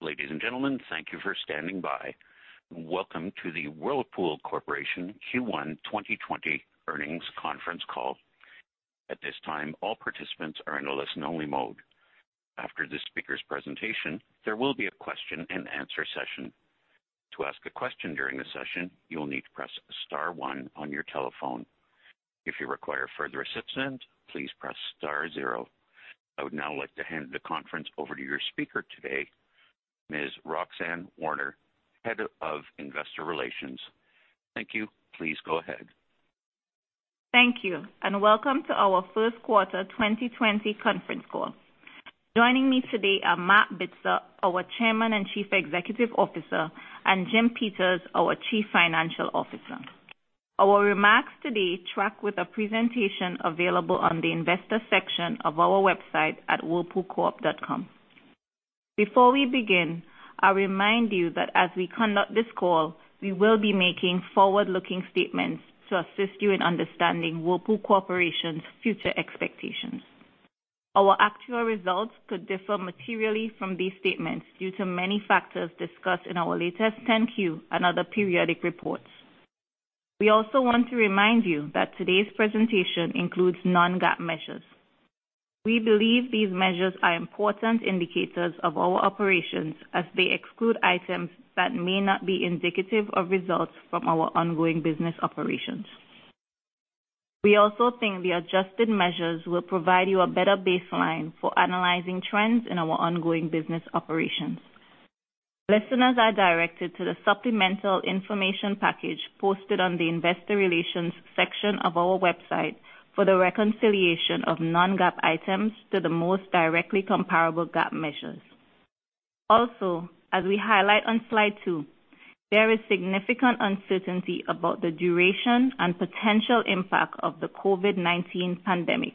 Ladies and gentlemen, thank you for standing by. Welcome to the Whirlpool Corporation Q1 2020 earnings conference call. At this time, all participants are in a listen-only mode. After the speaker's presentation, there will be a question and answer session. To ask a question during the session, you will need to press star one on your telephone. If you require further assistance, please press star zero. I would now like to hand the conference over to your speaker today, Ms. Roxanne Warner, Head of Investor Relations. Thank you. Please go ahead. Thank you, and welcome to our first quarter 2020 conference call. Joining me today are Marc Bitzer, our Chairman and Chief Executive Officer, and Jim Peters, our Chief Financial Officer. Our remarks today track with a presentation available on the investor section of our website at whirlpoolcorp.com. Before we begin, I remind you that as we conduct this call, we will be making forward-looking statements to assist you in understanding Whirlpool Corporation's future expectations. Our actual results could differ materially from these statements due to many factors discussed in our latest 10-Q and other periodic reports. We also want to remind you that today's presentation includes non-GAAP measures. We believe these measures are important indicators of our operations as they exclude items that may not be indicative of results from our ongoing business operations. We also think the adjusted measures will provide you a better baseline for analyzing trends in our ongoing business operations. Listeners are directed to the supplemental information package posted on the investor relations section of our website for the reconciliation of non-GAAP items to the most directly comparable GAAP measures. Also, as we highlight on slide two, there is significant uncertainty about the duration and potential impact of the COVID-19 pandemic.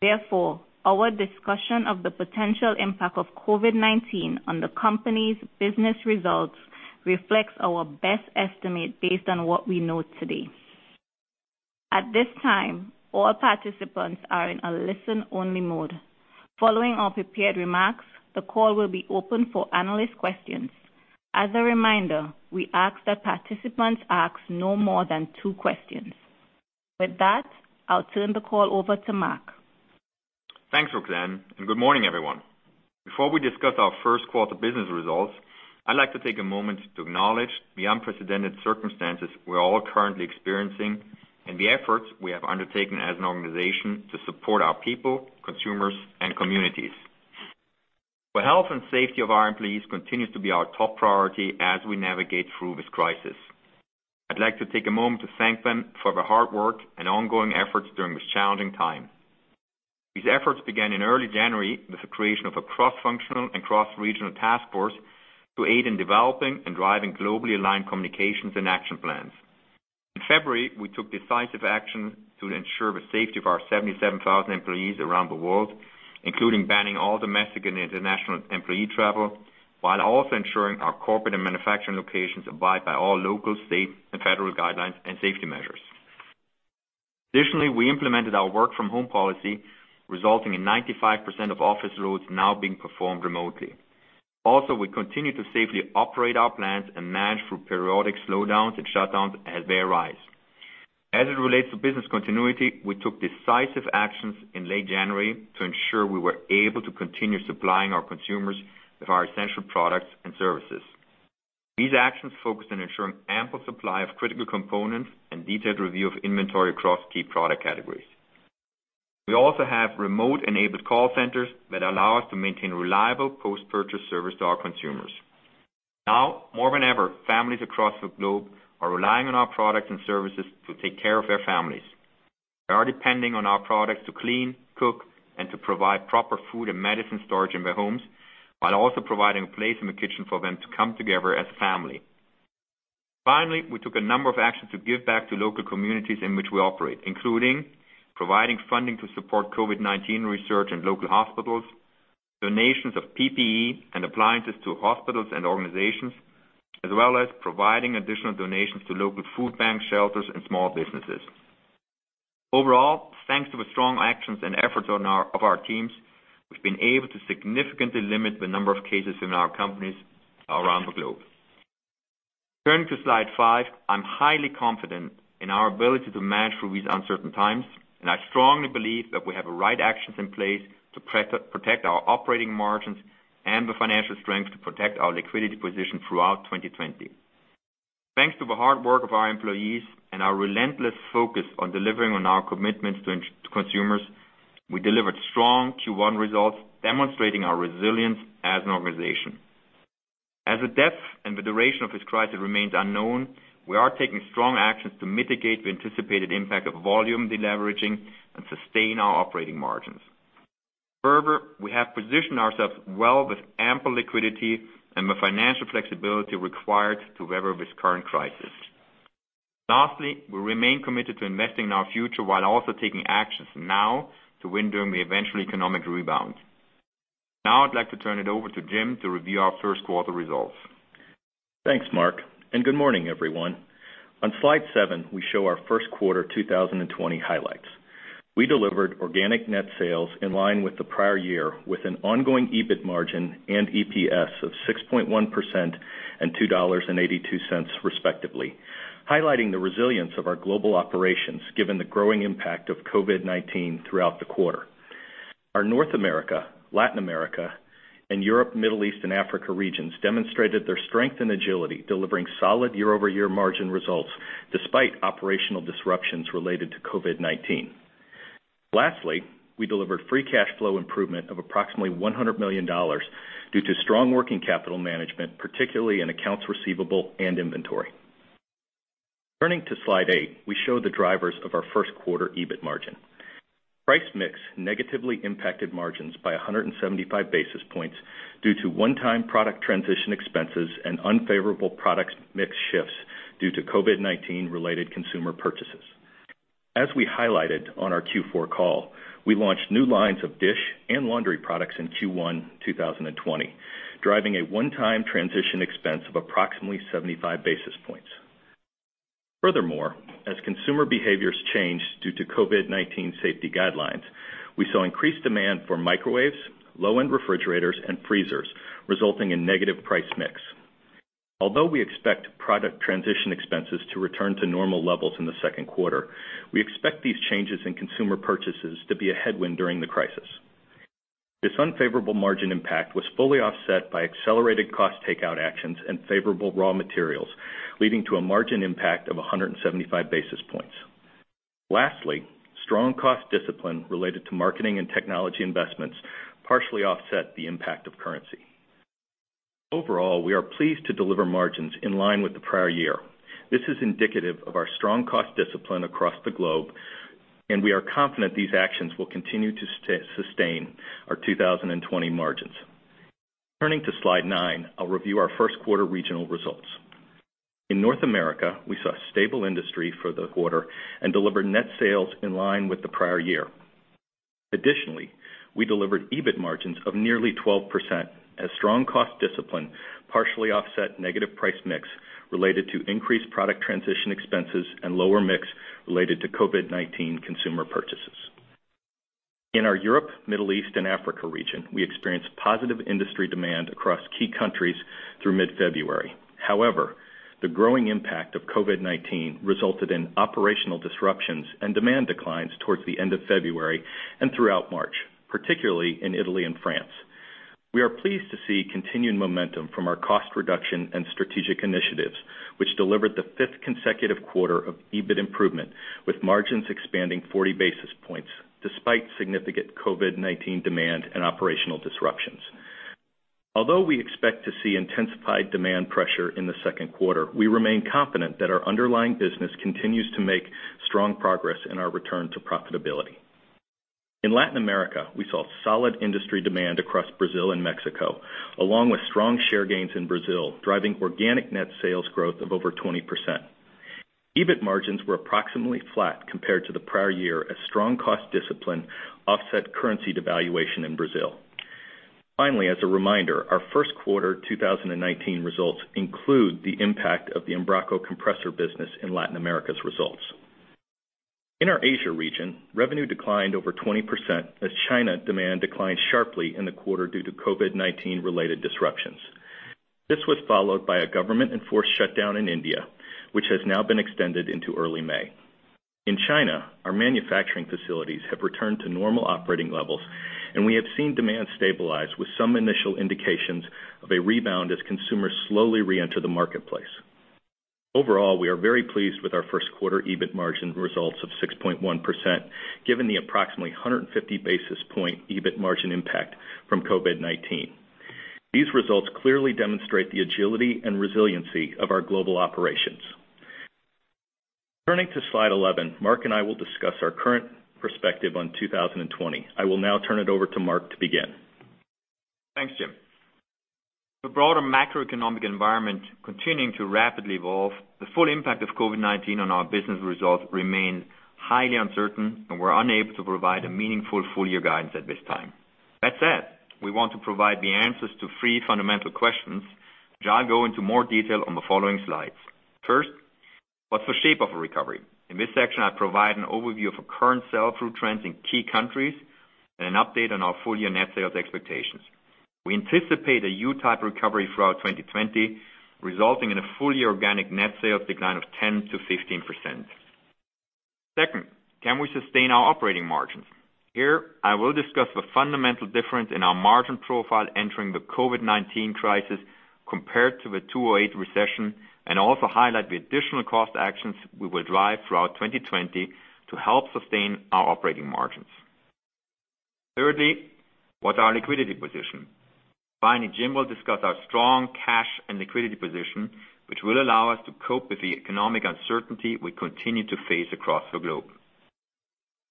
Therefore, our discussion of the potential impact of COVID-19 on the company's business results reflects our best estimate based on what we know today. At this time, all participants are in a listen-only mode. Following our prepared remarks, the call will be open for analyst questions. As a reminder, we ask that participants ask no more than two questions. With that, I'll turn the call over to Marc. Thanks, Roxanne, and good morning, everyone. Before we discuss our first quarter business results, I'd like to take a moment to acknowledge the unprecedented circumstances we're all currently experiencing and the efforts we have undertaken as an organization to support our people, consumers, and communities. The health and safety of our employees continues to be our top priority as we navigate through this crisis. I'd like to take a moment to thank them for their hard work and ongoing efforts during this challenging time. These efforts began in early January with the creation of a cross-functional and cross-regional task force to aid in developing and driving globally aligned communications and action plans. In February, we took decisive action to ensure the safety of our 77,000 employees around the world, including banning all domestic and international employee travel, while also ensuring our corporate and manufacturing locations abide by all local, state, and federal guidelines and safety measures. Additionally, we implemented our work from home policy, resulting in 95% of office loads now being performed remotely. Also, we continue to safely operate our plants and manage through periodic slowdowns and shutdowns as they arise. As it relates to business continuity, we took decisive actions in late January to ensure we were able to continue supplying our consumers with our essential products and services. These actions focused on ensuring ample supply of critical components and detailed review of inventory across key product categories. We also have remote-enabled call centers that allow us to maintain reliable post-purchase service to our consumers. Now more than ever, families across the globe are relying on our products and services to take care of their families. They are depending on our products to clean, cook, and to provide proper food and medicine storage in their homes, while also providing a place in the kitchen for them to come together as a family. Finally, we took a number of actions to give back to local communities in which we operate, including providing funding to support COVID-19 research in local hospitals, donations of PPE and appliances to hospitals and organizations, as well as providing additional donations to local food banks, shelters, and small businesses. Overall, thanks to the strong actions and efforts of our teams, we've been able to significantly limit the number of cases in our companies around the globe. Turning to slide five, I'm highly confident in our ability to manage through these uncertain times, and I strongly believe that we have the right actions in place to protect our operating margins and the financial strength to protect our liquidity position throughout 2020. Thanks to the hard work of our employees and our relentless focus on delivering on our commitments to consumers, we delivered strong Q1 results demonstrating our resilience as an organization. As the depth and the duration of this crisis remains unknown, we are taking strong actions to mitigate the anticipated impact of volume deleveraging and sustain our operating margins. Further, we have positioned ourselves well with ample liquidity and the financial flexibility required to weather this current crisis. Lastly, we remain committed to investing in our future while also taking actions now to win during the eventual economic rebound. Now I'd like to turn it over to Jim to review our first quarter results. Thanks, Marc, and good morning, everyone. On slide seven, we show our first quarter 2020 highlights. We delivered organic net sales in line with the prior year, with an ongoing EBIT margin and EPS of 6.1% and $2.82 respectively, highlighting the resilience of our global operations, given the growing impact of COVID-19 throughout the quarter. Our North America, Latin America, and Europe, Middle East and Africa regions demonstrated their strength and agility, delivering solid year-over-year margin results despite operational disruptions related to COVID-19. Lastly, we delivered free cash flow improvement of approximately $100 million due to strong working capital management, particularly in accounts receivable and inventory. Turning to slide eight, we show the drivers of our first quarter EBIT margin. Price mix negatively impacted margins by 175 basis points due to one-time product transition expenses and unfavorable product mix shifts due to COVID-19 related consumer purchases. As we highlighted on our Q4 call, we launched new lines of dish and laundry products in Q1 2020, driving a one-time transition expense of approximately 75 basis points. Furthermore, as consumer behaviors change due to COVID-19 safety guidelines, we saw increased demand for microwaves, low-end refrigerators, and freezers, resulting in negative price mix. Although we expect product transition expenses to return to normal levels in the second quarter, we expect these changes in consumer purchases to be a headwind during the crisis. This unfavorable margin impact was fully offset by accelerated cost takeout actions and favorable raw materials, leading to a margin impact of 175 basis points. Lastly, strong cost discipline related to marketing and technology investments partially offset the impact of currency. Overall, we are pleased to deliver margins in line with the prior year. This is indicative of our strong cost discipline across the globe, and we are confident these actions will continue to sustain our 2020 margins. Turning to slide nine, I'll review our first quarter regional results. In North America, we saw stable industry for the quarter and delivered net sales in line with the prior year. Additionally, we delivered EBIT margins of nearly 12% as strong cost discipline partially offset negative price mix related to increased product transition expenses and lower mix related to COVID-19 consumer purchases. In our Europe, Middle East and Africa region, we experienced positive industry demand across key countries through mid-February. However, the growing impact of COVID-19 resulted in operational disruptions and demand declines towards the end of February and throughout March, particularly in Italy and France. We are pleased to see continued momentum from our cost reduction and strategic initiatives, which delivered the fifth consecutive quarter of EBIT improvement, with margins expanding 40 basis points despite significant COVID-19 demand and operational disruptions. Although we expect to see intensified demand pressure in the second quarter, we remain confident that our underlying business continues to make strong progress in our return to profitability. In Latin America, we saw solid industry demand across Brazil and Mexico, along with strong share gains in Brazil, driving organic net sales growth of over 20%. EBIT margins were approximately flat compared to the prior year as strong cost discipline offset currency devaluation in Brazil. Finally, as a reminder, our first quarter 2019 results include the impact of the Embraco compressor business in Latin America's results. In our Asia region, revenue declined over 20% as China demand declined sharply in the quarter due to COVID-19 related disruptions. This was followed by a government-enforced shutdown in India, which has now been extended into early May. In China, our manufacturing facilities have returned to normal operating levels and we have seen demand stabilize with some initial indications of a rebound as consumers slowly re-enter the marketplace. Overall, we are very pleased with our first quarter EBIT margin results of 6.1%, given the approximately 150 basis points EBIT margin impact from COVID-19. These results clearly demonstrate the agility and resiliency of our global operations. Turning to slide 11, Marc and I will discuss our current perspective on 2020. I will now turn it over to Marc to begin. Thanks, Jim. The broader macroeconomic environment continuing to rapidly evolve. The full impact of COVID-19 on our business results remain highly uncertain, we're unable to provide a meaningful full-year guidance at this time. That said, we want to provide the answers to three fundamental questions, which I'll go into more detail on the following slides. First, what's the shape of a recovery? In this section, I provide an overview of current sell-through trends in key countries and an update on our full-year net sales expectations. We anticipate a U-type recovery throughout 2020, resulting in a full-year organic net sales decline of 10%-15%. Second, can we sustain our operating margins? Here, I will discuss the fundamental difference in our margin profile entering the COVID-19 crisis compared to the 2008 recession, and also highlight the additional cost actions we will drive throughout 2020 to help sustain our operating margins. Thirdly, what's our liquidity position? Finally, Jim will discuss our strong cash and liquidity position, which will allow us to cope with the economic uncertainty we continue to face across the globe.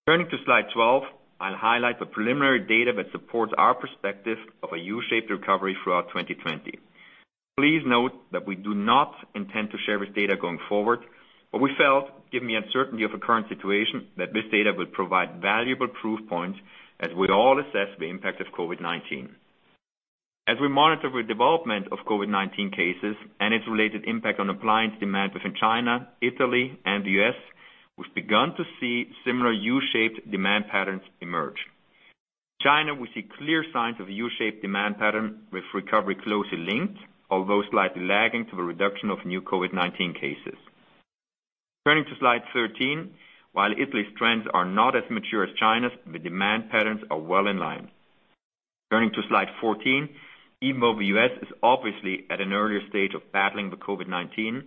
Turning to slide 12, I'll highlight the preliminary data that supports our perspective of a U-shaped recovery throughout 2020. Please note that we do not intend to share this data going forward, but we felt, given the uncertainty of the current situation, that this data would provide valuable proof points as we all assess the impact of COVID-19. As we monitor the development of COVID-19 cases and its related impact on appliance demand within China, Italy, and the U.S., we've begun to see similar U-shaped demand patterns emerge. China, we see clear signs of U-shaped demand pattern with recovery closely linked, although slightly lagging to the reduction of new COVID-19 cases. Turning to slide 13. While Italy's trends are not as mature as China's, the demand patterns are well in line. Turning to slide 14. Even though the U.S. is obviously at an earlier stage of battling the COVID-19,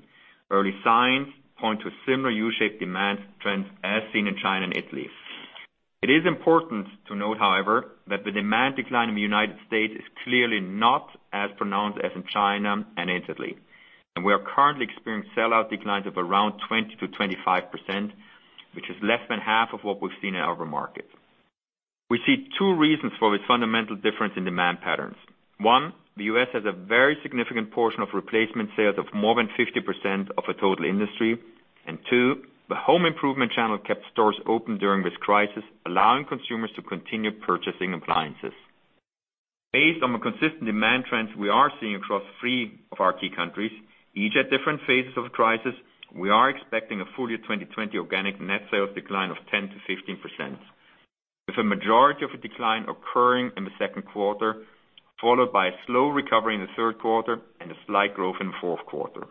early signs point to a similar U-shaped demand trends as seen in China and Italy. It is important to note, however, that the demand decline in the United States is clearly not as pronounced as in China and Italy, and we are currently experiencing sell-out declines of around 20%-25%, which is less than half of what we've seen in our market. We see two reasons for this fundamental difference in demand patterns. One, the U.S. has a very significant portion of replacement sales of more than 50% of the total industry. Two, the home improvement channel kept stores open during this crisis, allowing consumers to continue purchasing appliances. Based on the consistent demand trends we are seeing across three of our key countries, each at different phases of crisis, we are expecting a full year 2020 organic net sales decline of 10%-15%, with the majority of the decline occurring in the second quarter, followed by a slow recovery in the third quarter and a slight growth in the fourth quarter.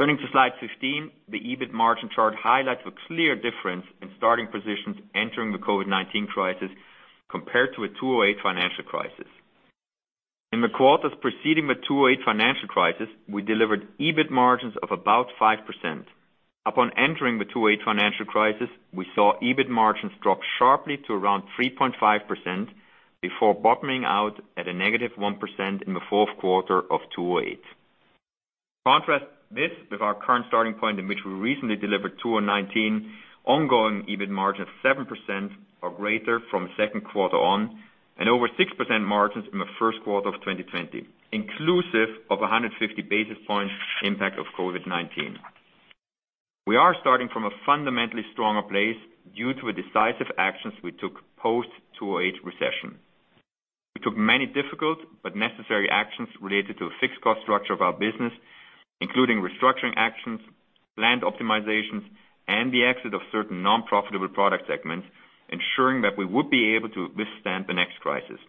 Turning to slide 15, the EBIT margin chart highlights a clear difference in starting positions entering the COVID-19 crisis compared to the 2008 financial crisis. In the quarters preceding the 2008 financial crisis, we delivered EBIT margins of about 5%. Upon entering the 2008 financial crisis, we saw EBIT margins drop sharply to around 3.5% before bottoming out at a negative 1% in the fourth quarter of 2008. Contrast this with our current starting point in which we recently delivered 2019 ongoing EBIT margin of 7% or greater from the second quarter on, and over 6% margins in the first quarter of 2020, inclusive of 150 basis points impact of COVID-19. We are starting from a fundamentally stronger place due to the decisive actions we took post-2008 recession. We took many difficult but necessary actions related to the fixed cost structure of our business, including restructuring actions, land optimizations, and the exit of certain non-profitable product segments, ensuring that we would be able to withstand the next crisis.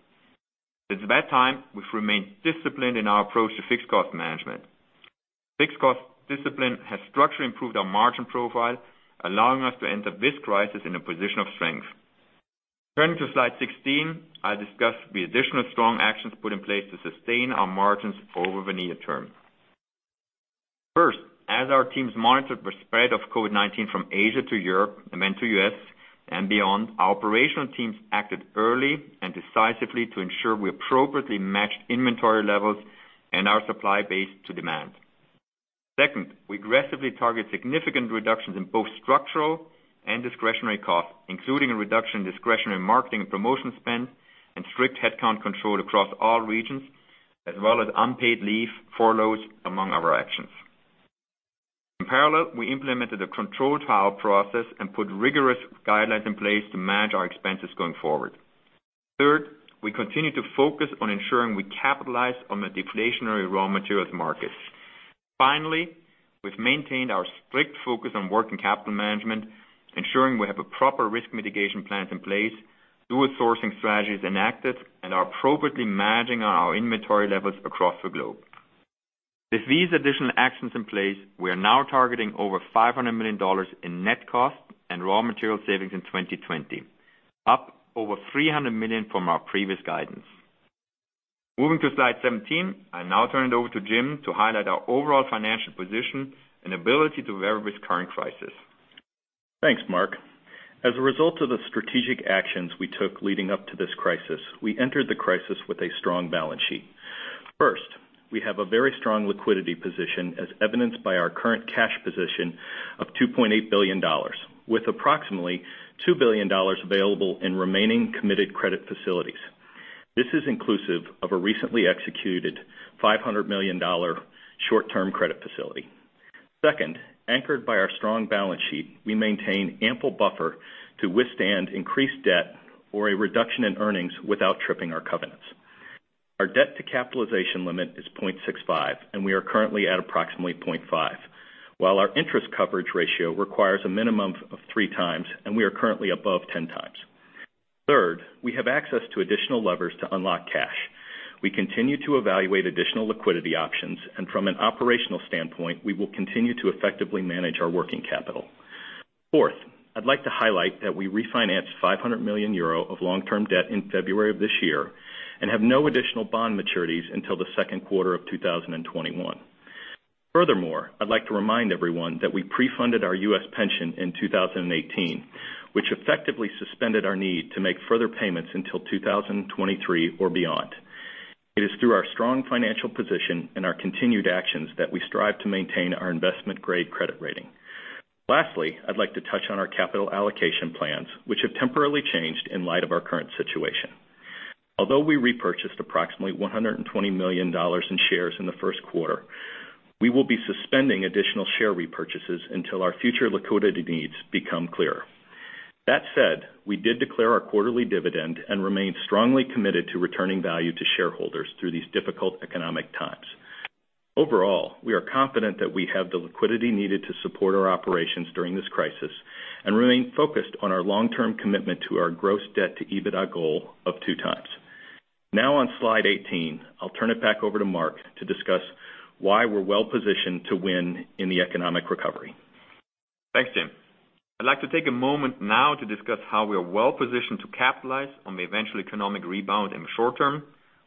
Since that time, we've remained disciplined in our approach to fixed cost management. Fixed cost discipline has structurally improved our margin profile, allowing us to enter this crisis in a position of strength. Turning to slide 16, I discuss the additional strong actions put in place to sustain our margins over the near term. First, as our teams monitored the spread of COVID-19 from Asia to Europe and then to U.S. and beyond, our operational teams acted early and decisively to ensure we appropriately matched inventory levels and our supply base to demand. Second, we aggressively target significant reductions in both structural and discretionary costs, including a reduction in discretionary marketing and promotion spend and strict headcount control across all regions, as well as unpaid leave, furloughs, among our actions. In parallel, we implemented a controlled hire process and put rigorous guidelines in place to manage our expenses going forward. Third, we continue to focus on ensuring we capitalize on the deflationary raw materials markets. Finally, we've maintained our strict focus on working capital management, ensuring we have a proper risk mitigation plans in place, dual sourcing strategies enacted, and are appropriately managing our inventory levels across the globe. With these additional actions in place, we are now targeting over $500 million in net cost and raw material savings in 2020, up over $300 million from our previous guidance. Moving to slide 17, I now turn it over to Jim to highlight our overall financial position and ability to weather this current crisis. Thanks, Marc. As a result of the strategic actions we took leading up to this crisis, we entered the crisis with a strong balance sheet. First, we have a very strong liquidity position as evidenced by our current cash position of $2.8 billion, with approximately $2 billion available in remaining committed credit facilities. This is inclusive of a recently executed $500 million short-term credit facility. Second, anchored by our strong balance sheet, we maintain ample buffer to withstand increased debt or a reduction in earnings without tripping our covenants. Our debt to capitalization limit is 0.65, and we are currently at approximately 0.5. While our interest coverage ratio requires a minimum of three times, and we are currently above 10x. Third, we have access to additional levers to unlock cash. We continue to evaluate additional liquidity options, and from an operational standpoint, we will continue to effectively manage our working capital. Fourth, I'd like to highlight that we refinanced 500 million euro of long-term debt in February of this year and have no additional bond maturities until the second quarter of 2021. Furthermore, I'd like to remind everyone that we pre-funded our U.S. pension in 2018, which effectively suspended our need to make further payments until 2023 or beyond. It is through our strong financial position and our continued actions that we strive to maintain our investment-grade credit rating. Lastly, I'd like to touch on our capital allocation plans, which have temporarily changed in light of our current situation. Although we repurchased approximately $120 million in shares in the first quarter, we will be suspending additional share repurchases until our future liquidity needs become clearer. That said, we did declare our quarterly dividend and remain strongly committed to returning value to shareholders through these difficult economic times. Overall, we are confident that we have the liquidity needed to support our operations during this crisis and remain focused on our long-term commitment to our gross debt to EBITDA goal of 2x. Now on slide 18, I'll turn it back over to Marc to discuss why we're well-positioned to win in the economic recovery. Thanks, Jim. I'd like to take a moment now to discuss how we are well-positioned to capitalize on the eventual economic rebound in the short term,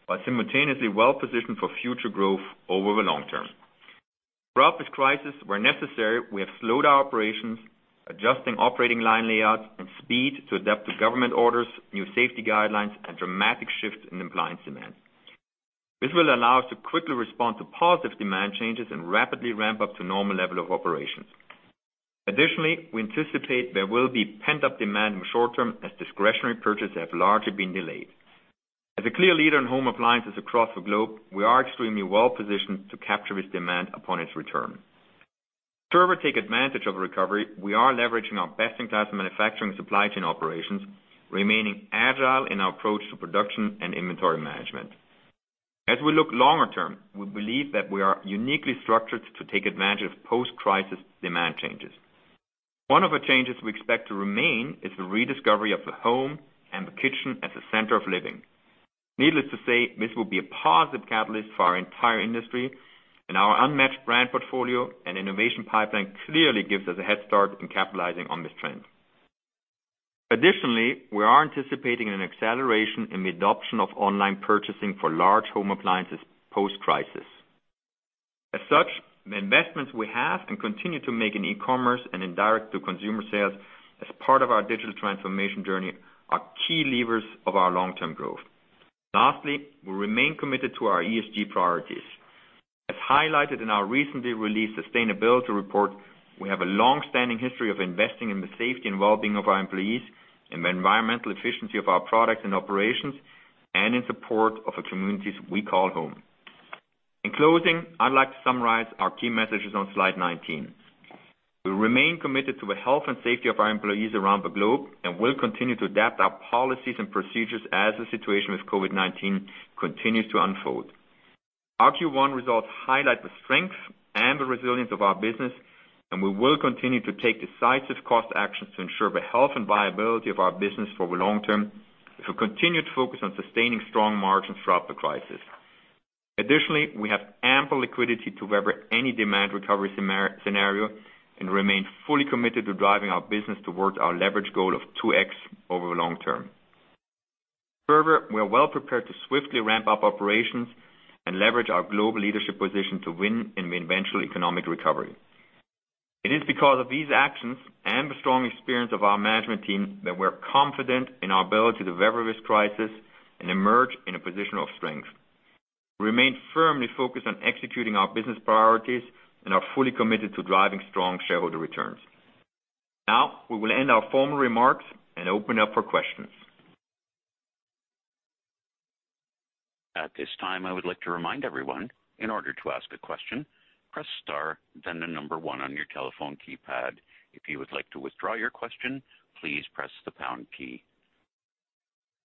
while simultaneously well-positioned for future growth over the long term. Throughout this crisis, where necessary, we have slowed our operations, adjusting operating line layouts and speed to adapt to government orders, new safety guidelines, and dramatic shifts in appliance demand. This will allow us to quickly respond to positive demand changes and rapidly ramp up to normal level of operations. Additionally, we anticipate there will be pent-up demand in the short term as discretionary purchases have largely been delayed. As a clear leader in home appliances across the globe, we are extremely well-positioned to capture this demand upon its return. To take advantage of recovery, we are leveraging our best-in-class manufacturing supply chain operations, remaining agile in our approach to production and inventory management. As we look longer term, we believe that we are uniquely structured to take advantage of post-crisis demand changes. One of the changes we expect to remain is the rediscovery of the home and the kitchen as the center of living. Needless to say, this will be a positive catalyst for our entire industry, and our unmatched brand portfolio and innovation pipeline clearly gives us a head start in capitalizing on this trend. Additionally, we are anticipating an acceleration in the adoption of online purchasing for large home appliances post-crisis. As such, the investments we have and continue to make in e-commerce and in direct-to-consumer sales as part of our digital transformation journey are key levers of our long-term growth. Lastly, we remain committed to our ESG priorities. As highlighted in our recently released sustainability report, we have a long-standing history of investing in the safety and wellbeing of our employees, in the environmental efficiency of our products and operations, and in support of the communities we call home. In closing, I'd like to summarize our key messages on slide 19. We remain committed to the health and safety of our employees around the globe and will continue to adapt our policies and procedures as the situation with COVID-19 continues to unfold. Our Q1 results highlight the strength and the resilience of our business, and we will continue to take decisive cost actions to ensure the health and viability of our business for the long term, with a continued focus on sustaining strong margins throughout the crisis. Additionally, we have ample liquidity to weather any demand recovery scenario and remain fully committed to driving our business towards our leverage goal of 2x over the long term. We are well prepared to swiftly ramp up operations and leverage our global leadership position to win in the eventual economic recovery. It is because of these actions and the strong experience of our management team that we're confident in our ability to weather this crisis and emerge in a position of strength. We remain firmly focused on executing our business priorities and are fully committed to driving strong shareholder returns. We will end our formal remarks and open up for questions. At this time, I would like to remind everyone, in order to ask a question, press star, then the number one on your telephone keypad. If you would like to withdraw your question, please press the pound key.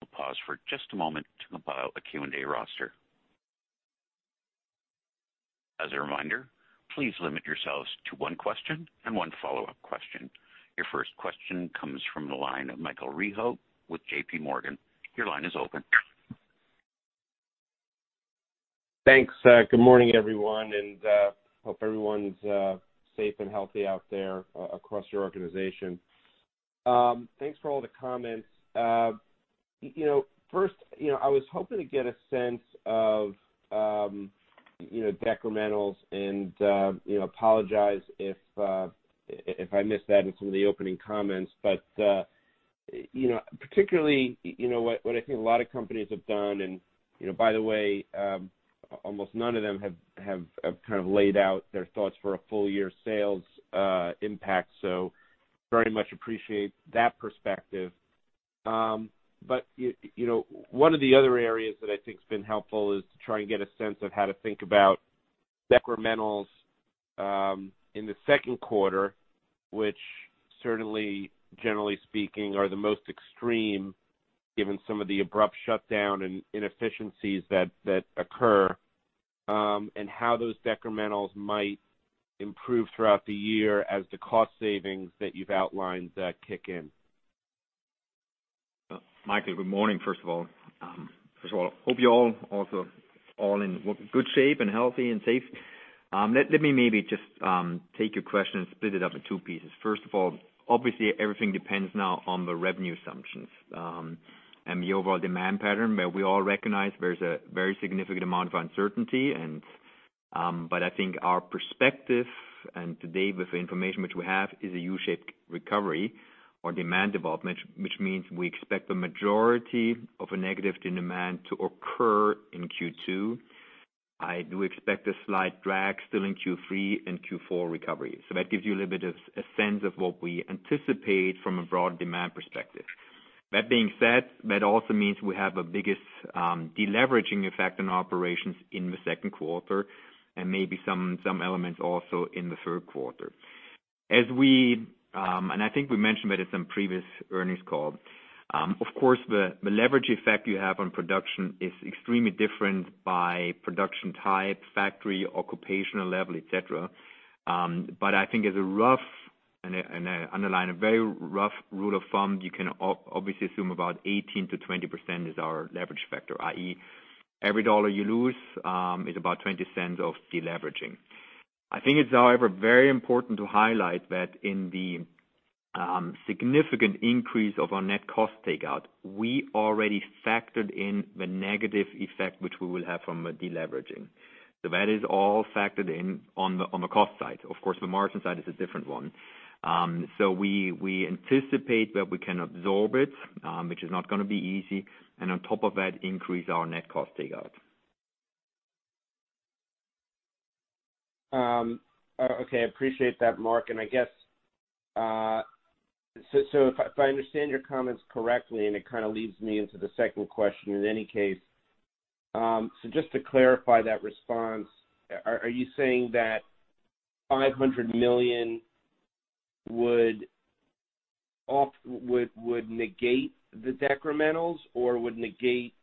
We'll pause for just a moment to compile a Q&A roster. As a reminder, please limit yourselves to one question and one follow-up question. Your first question comes from the line of Michael Rehaut with JPMorgan. Your line is open. Thanks. Good morning, everyone, and hope everyone's safe and healthy out there across your organization. Thanks for all the comments. First, I was hoping to get a sense of decrementals and apologize if I missed that in some of the opening comments. Particularly, what I think a lot of companies have done, and by the way, almost none of them have kind of laid out their thoughts for a full year sales impact, so very much appreciate that perspective. One of the other areas that I think has been helpful is to try and get a sense of how to think about decrementals in the second quarter, which certainly, generally speaking, are the most extreme, given some of the abrupt shutdown and inefficiencies that occur, and how those decrementals might improve throughout the year as the cost savings that you've outlined kick in. Michael, good morning, first of all. First of all, hope you all also in good shape and healthy and safe. Let me maybe just take your question and split it up in two pieces. First of all, obviously, everything depends now on the revenue assumptions and the overall demand pattern. We all recognize there's a very significant amount of uncertainty. I think our perspective, and today with the information which we have, is a U-shaped recovery or demand development, which means we expect the majority of a negative demand to occur in Q2. I do expect a slight drag still in Q3 and Q4 recovery. That gives you a little bit of a sense of what we anticipate from a broad demand perspective. That being said, that also means we have the biggest deleveraging effect on operations in the second quarter and maybe some elements also in the third quarter. I think we mentioned that in some previous earnings call. Of course, the leverage effect you have on production is extremely different by production type, factory, occupational level, et cetera. I think as a rough, and I underline, a very rough rule of thumb, you can obviously assume about 18%-20% is our leverage factor, i.e., every dollar you lose is about $0.20 of deleveraging. I think it's however, very important to highlight that in the significant increase of our net cost takeout, we already factored in the negative effect which we will have from deleveraging. That is all factored in on the cost side. Of course, the margin side is a different one. We anticipate that we can absorb it, which is not going to be easy, and on top of that, increase our net cost takeout. Okay. I appreciate that, Marc. If I understand your comments correctly, and it kind of leads me into the second question in any case, just to clarify that response, are you saying that $500 million would negate the decrementals or would negate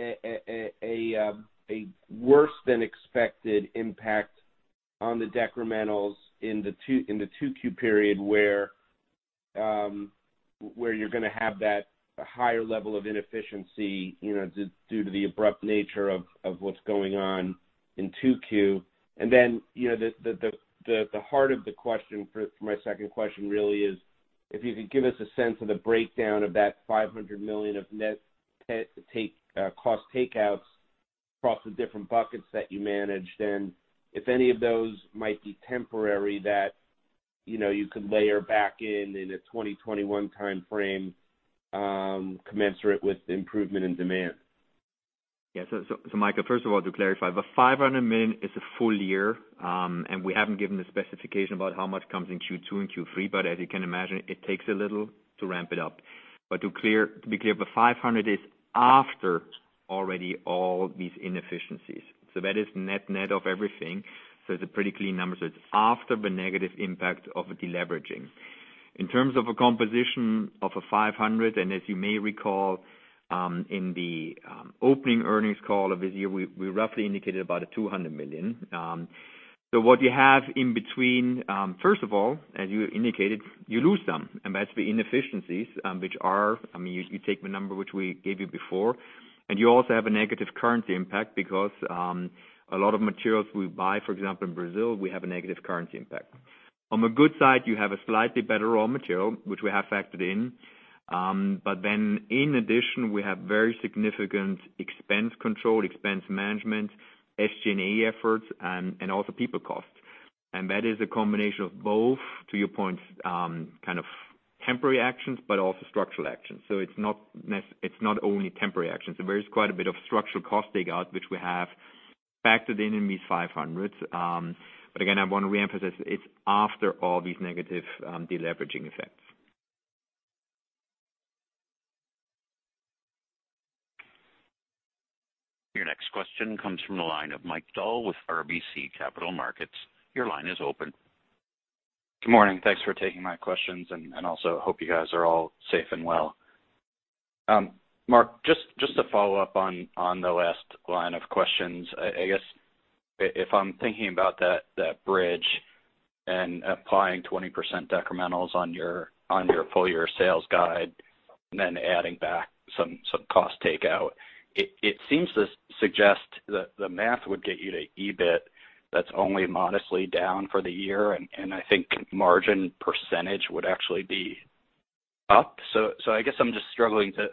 a worse than expected impact on the decrementals in the Q2 period where you're going to have that higher level of inefficiency due to the abrupt nature of what's going on in Q2? The heart of the question for my second question really is, if you could give us a sense of the breakdown of that $500 million of net cost takeouts across the different buckets that you manage, then if any of those might be temporary that you could layer back in in a 2021 timeframe commensurate with improvement in demand. Yeah. Michael, first of all, to clarify, the $500 million is a full year, and we haven't given the specification about how much comes in Q2 and Q3, as you can imagine, it takes a little to ramp it up. To be clear, the $500 is after already all these inefficiencies. That is net of everything. It's a pretty clean number. It's after the negative impact of deleveraging. In terms of a composition of a $500, as you may recall, in the opening earnings call of this year, we roughly indicated about a $200 million. What you have in between, first of all, as you indicated, you lose some, and that's the inefficiencies, which are, you take the number which we gave you before, and you also have a negative currency impact because a lot of materials we buy, for example, in Brazil, we have a negative currency impact. On the good side, you have a slightly better raw material, which we have factored in. In addition, we have very significant expense control, expense management, SG&A efforts, and also people costs. That is a combination of both, to your points, kind of temporary actions, but also structural actions. It's not only temporary actions. There is quite a bit of structural cost takeout which we have factored in in these $500. Again, I want to reemphasize, it's after all these negative deleveraging effects. Your next question comes from the line of Mike Dahl with RBC Capital Markets. Your line is open. Good morning. Thanks for taking my questions, and also hope you guys are all safe and well. Marc, just to follow up on the last line of questions. I guess if I'm thinking about that bridge and applying 20% decrementals on your full-year sales guide and then adding back some cost takeout, it seems to suggest that the math would get you to EBIT that's only modestly down for the year, and I think margin percentage would actually be up. I guess I'm just struggling to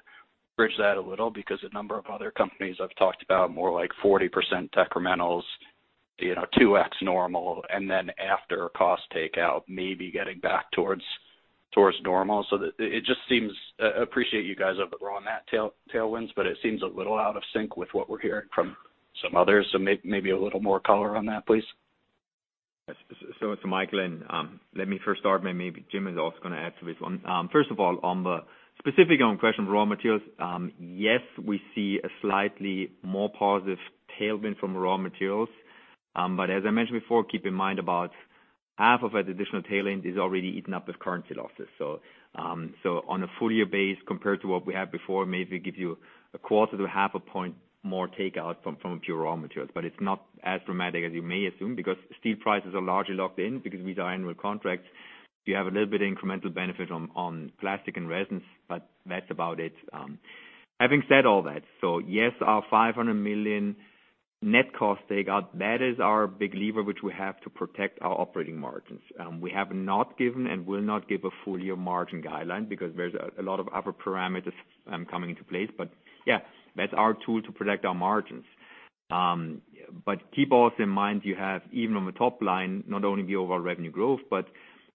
bridge that a little because a number of other companies I've talked about more like 40% decrementals 2x normal, and then after cost takeout, maybe getting back towards normal. It just seems, I appreciate you guys have the raw mat tailwinds, but it seems a little out of sync with what we're hearing from some others. Maybe a little more color on that, please. Michael, let me first start, maybe Jim is also going to add to this one. First of all, specific on question raw materials, yes, we see a slightly more positive tailwind from raw materials. As I mentioned before, keep in mind about half of that additional tailwind is already eaten up with currency losses. On a full year base compared to what we had before, maybe it gives you a quarter to half a point more takeout from pure raw materials. It's not as dramatic as you may assume because steel prices are largely locked in because these are annual contracts. We have a little bit of incremental benefit on plastic and resins, but that's about it. Having said all that, yes, our $500 million net cost takeout, that is our big lever which we have to protect our operating margins. We have not given and will not give a full year margin guideline because there's a lot of other parameters coming into place. Yeah, that's our tool to protect our margins. Keep also in mind you have, even on the top line, not only the overall revenue growth, but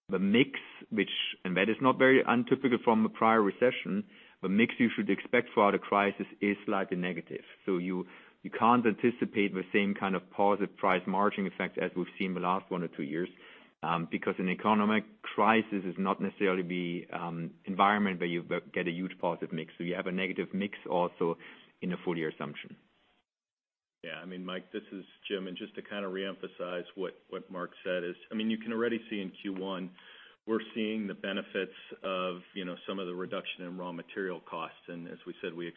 the mix, and that is not very untypical from the prior recession, the mix you should expect for the crisis is slightly negative. You can't anticipate the same kind of positive price margin effect as we've seen the last one or two years, because an economic crisis is not necessarily the environment where you get a huge positive mix. You have a negative mix also in a full year assumption. Yeah, Mike, this is Jim Peters. Just to reemphasize what Marc Bitzer said is, you can already see in Q1, we're seeing the benefits of some of the reduction in raw material costs. As we said, if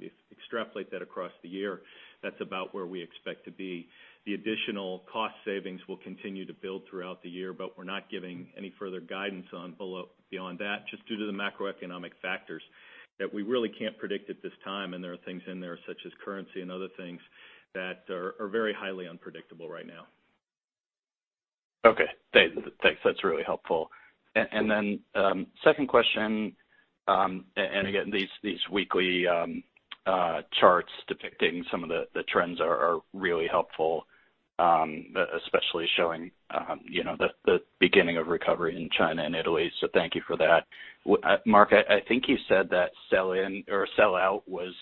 you extrapolate that across the year, that's about where we expect to be. The additional cost savings will continue to build throughout the year, but we're not giving any further guidance beyond that, just due to the macroeconomic factors that we really can't predict at this time. There are things in there such as currency and other things that are very highly unpredictable right now. Okay. Thanks, that's really helpful. Second question, again, these weekly charts depicting some of the trends are really helpful, especially showing the beginning of recovery in China and Italy. Thank you for that. Marc, I think you said that sell-in or sell-out was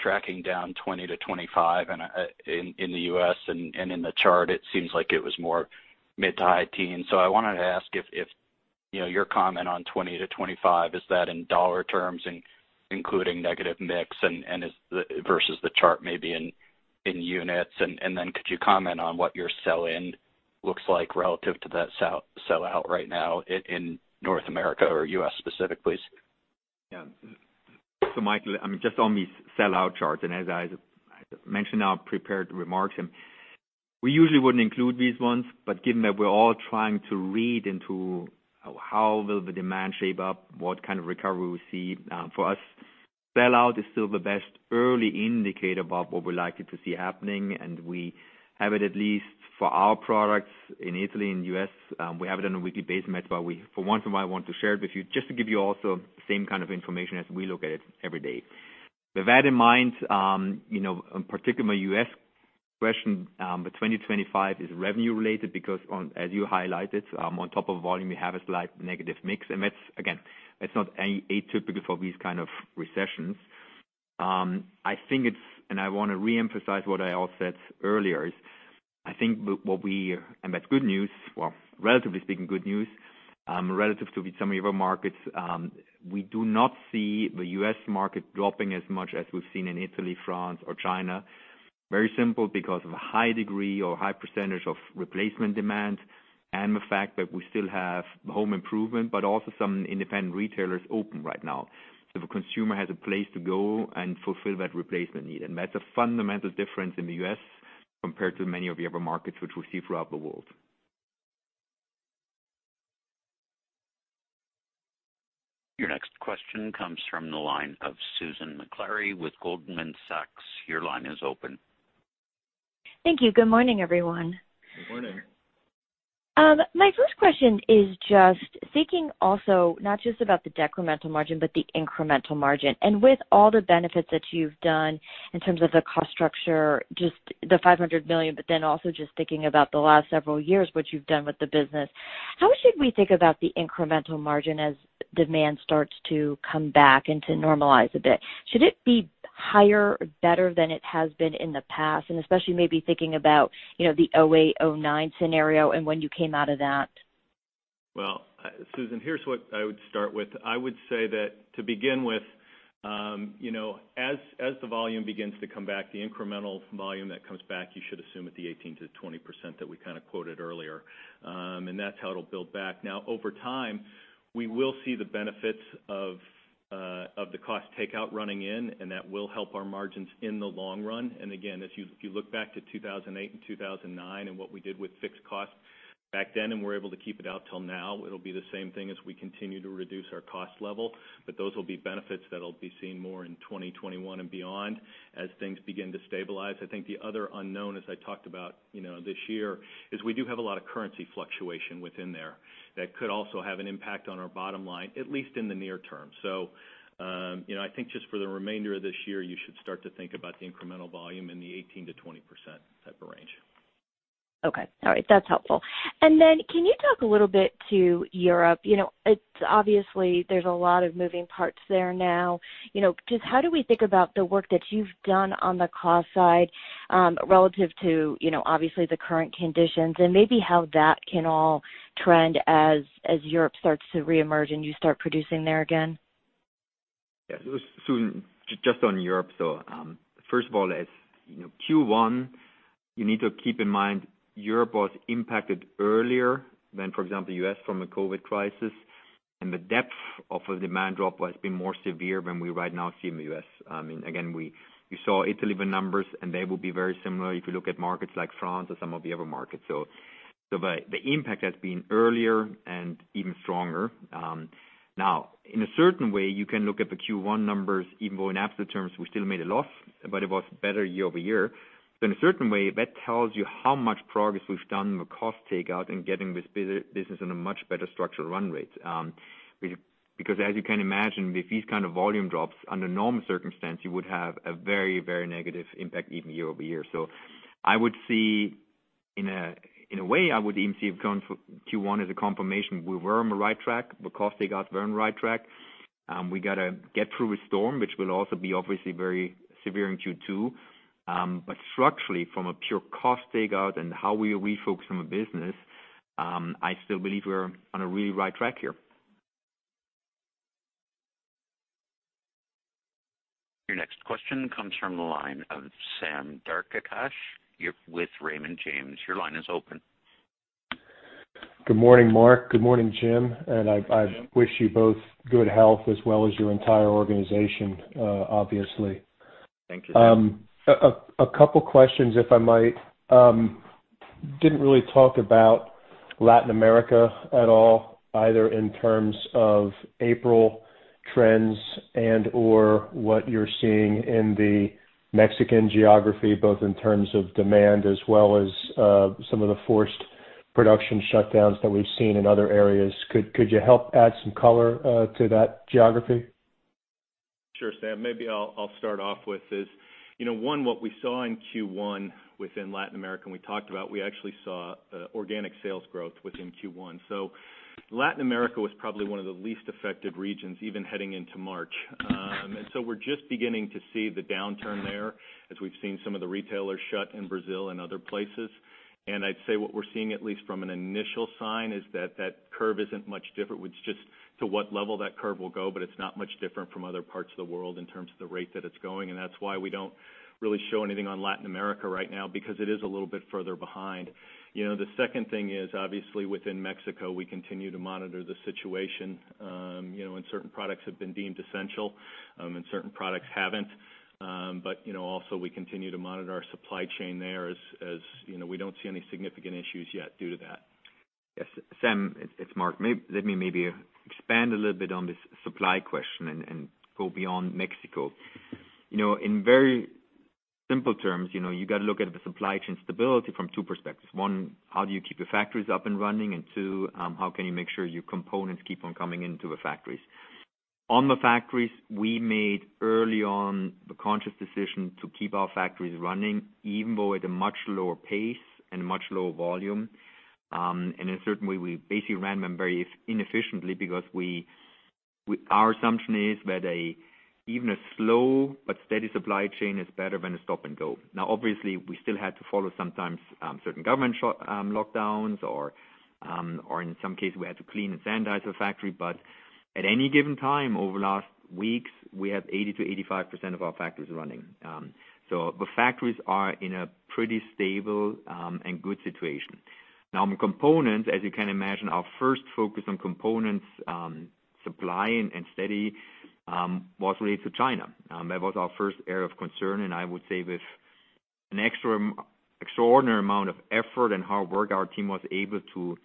tracking down 20%-25% in the U.S. and in the chart, it seems like it was more mid-to-high teens. I wanted to ask if your comment on 20%-25%, is that in dollar terms including negative mix versus the chart maybe in units? Could you comment on what your sell-in looks like relative to that sell-out right now in North America or U.S. specifically? Mike, just on these sell-out charts, and as I mentioned in our prepared remarks, we usually wouldn't include these ones, but given that we're all trying to read into how will the demand shape up, what kind of recovery we see, for us, sell-out is still the best early indicator about what we're likely to see happening, and we have it at least for our products in Italy and U.S. We have it on a weekly basis, for once, I want to share it with you, just to give you also the same kind of information as we look at it every day. With that in mind, in particular my U.S. question, the 2025 is revenue related because as you highlighted, on top of volume, we have a slight negative mix. That, again, it's not atypical for these kind of recessions. I want to reemphasize what I said earlier is, what we, that's good news, well, relatively speaking good news, relative to some of our markets, we do not see the U.S. market dropping as much as we've seen in Italy, France, or China. Very simple, because of a high degree or high percentage of replacement demand and the fact that we still have home improvement, but also some independent retailers open right now. The consumer has a place to go and fulfill that replacement need. That's a fundamental difference in the U.S. compared to many of the other markets which we see throughout the world. Your next question comes from the line of Susan Maklari with Goldman Sachs. Your line is open. Thank you. Good morning, everyone. Good morning. My first question is just thinking also not just about the decremental margin, but the incremental margin. With all the benefits that you've done in terms of the cost structure, just the $500 million, but then also just thinking about the last several years, what you've done with the business, how should we think about the incremental margin as demand starts to come back and to normalize a bit? Should it be higher or better than it has been in the past, and especially maybe thinking about the 2008, 2009 scenario and when you came out of that? Well, Susan, here's what I would start with. I would say that to begin with, as the volume begins to come back, the incremental volume that comes back, you should assume at the 18%-20% that we quoted earlier. That's how it'll build back. Now, over time, we will see the benefits of the cost takeout running in, and that will help our margins in the long run. Again, if you look back to 2008 and 2009 and what we did with fixed costs back then, and we're able to keep it out till now, it'll be the same thing as we continue to reduce our cost level. Those will be benefits that'll be seen more in 2021 and beyond as things begin to stabilize. I think the other unknown, as I talked about this year, is we do have a lot of currency fluctuation within there that could also have an impact on our bottom line, at least in the near term. I think just for the remainder of this year, you should start to think about the incremental volume in the 18%-20% type of range. Okay. All right. That's helpful. Can you talk a little bit to Europe? Obviously, there's a lot of moving parts there now. Just how do we think about the work that you've done on the cost side, relative to obviously the current conditions and maybe how that can all trend as Europe starts to reemerge and you start producing there again? Yeah. Susan, just on Europe. First of all, as Q1, you need to keep in mind, Europe was impacted earlier than, for example, U.S. from a COVID crisis. The depth of the demand drop has been more severe than we right now see in the U.S. Again, you saw Italy numbers, and they will be very similar if you look at markets like France or some of the other markets. The impact has been earlier and even stronger. In a certain way, you can look at the Q1 numbers, even though in absolute terms, we still made a loss, but it was better year-over-year. In a certain way, that tells you how much progress we've done with cost takeout and getting this business in a much better structural run rate. As you can imagine, with these kind of volume drops, under normal circumstance, you would have a very negative impact even year-over-year. I would see, in a way, I would even see Q1 as a confirmation we were on the right track. The cost takeouts were on the right track. We got to get through a storm, which will also be obviously very severe in Q2. Structurally, from a pure cost takeout and how we refocus on the business, I still believe we're on a really right track here. Your next question comes from the line of Sam Darkatsh, you're with Raymond James. Your line is open. Good morning, Marc. Good morning, Jim. I wish you both good health as well as your entire organization, obviously. Thank you. A couple questions, if I might. Didn't really talk about Latin America at all, either in terms of April trends and/or what you're seeing in the Mexican geography, both in terms of demand as well as some of the forced production shutdowns that we've seen in other areas. Could you help add some color to that geography? Sure, Sam. Maybe I'll start off with this. One, what we saw in Q1 within Latin America, and we talked about, we actually saw organic sales growth within Q1. Latin America was probably one of the least affected regions, even heading into March. We're just beginning to see the downturn there as we've seen some of the retailers shut in Brazil and other places. I'd say what we're seeing, at least from an initial sign, is that curve isn't much different. It's just to what level that curve will go, but it's not much different from other parts of the world in terms of the rate that it's going, and that's why we don't really show anything on Latin America right now, because it is a little bit further behind. The second thing is, obviously within Mexico, we continue to monitor the situation. Certain products have been deemed essential, and certain products haven't. Also we continue to monitor our supply chain there as we don't see any significant issues yet due to that. Yes, Sam, it's Marc. Let me maybe expand a little bit on this supply question and go beyond Mexico. In very simple terms, you got to look at the supply chain stability from two perspectives. One, how do you keep your factories up and running, and two, how can you make sure your components keep on coming into the factories? On the factories, we made early on the conscious decision to keep our factories running, even though at a much lower pace and a much lower volume. In a certain way, we basically ran them very inefficiently because our assumption is that even a slow but steady supply chain is better than a stop and go. Obviously, we still had to follow sometimes certain government lockdowns or in some cases we had to clean and sanitize the factory. At any given time over the last weeks, we had 80%-85% of our factories running. The factories are in a pretty stable and good situation. Components, as you can imagine, our first focus on components supplying and steady was related to China. That was our first area of concern, and I would say with an extraordinary amount of effort and hard work, our team was able to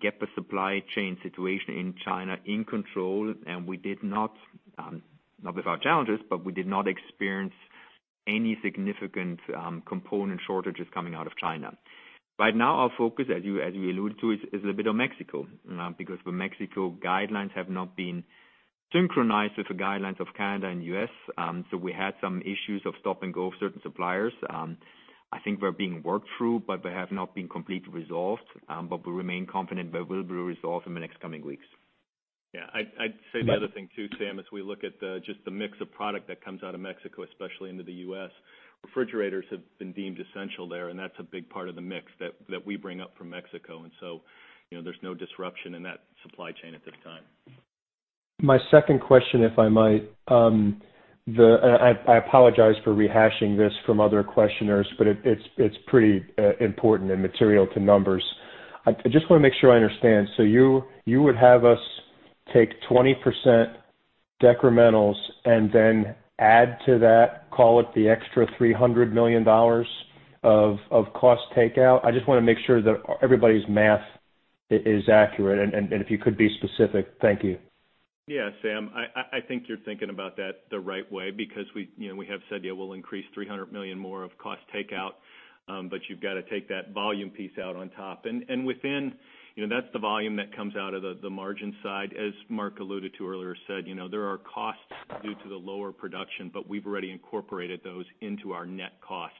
get the supply chain situation in China in control. We did not without challenges, but we did not experience any significant component shortages coming out of China. Right now our focus, as you alluded to, is a bit on Mexico. The Mexico guidelines have not been synchronized with the guidelines of Canada and U.S., we had some issues of stop and go of certain suppliers. I think we're being worked through, they have not been completely resolved. We remain confident they will be resolved in the next coming weeks. Yeah. I'd say the other thing too, Sam, as we look at just the mix of product that comes out of Mexico, especially into the U.S., refrigerators have been deemed essential there, that's a big part of the mix that we bring up from Mexico. There's no disruption in that supply chain at this time. My second question, if I might. I apologize for rehashing this from other questioners, it's pretty important and material to numbers. I just want to make sure I understand. You would have us take 20% decrementals and then add to that, call it the extra $300 million of cost takeout? I just want to make sure that everybody's math is accurate, if you could be specific. Thank you. Yeah, Sam, I think you're thinking about that the right way because we have said we'll increase $300 million more of cost takeout. You've got to take that volume piece out on top. That's the volume that comes out of the margin side. As Marc alluded to earlier, said there are costs due to the lower production. We've already incorporated those into our net cost.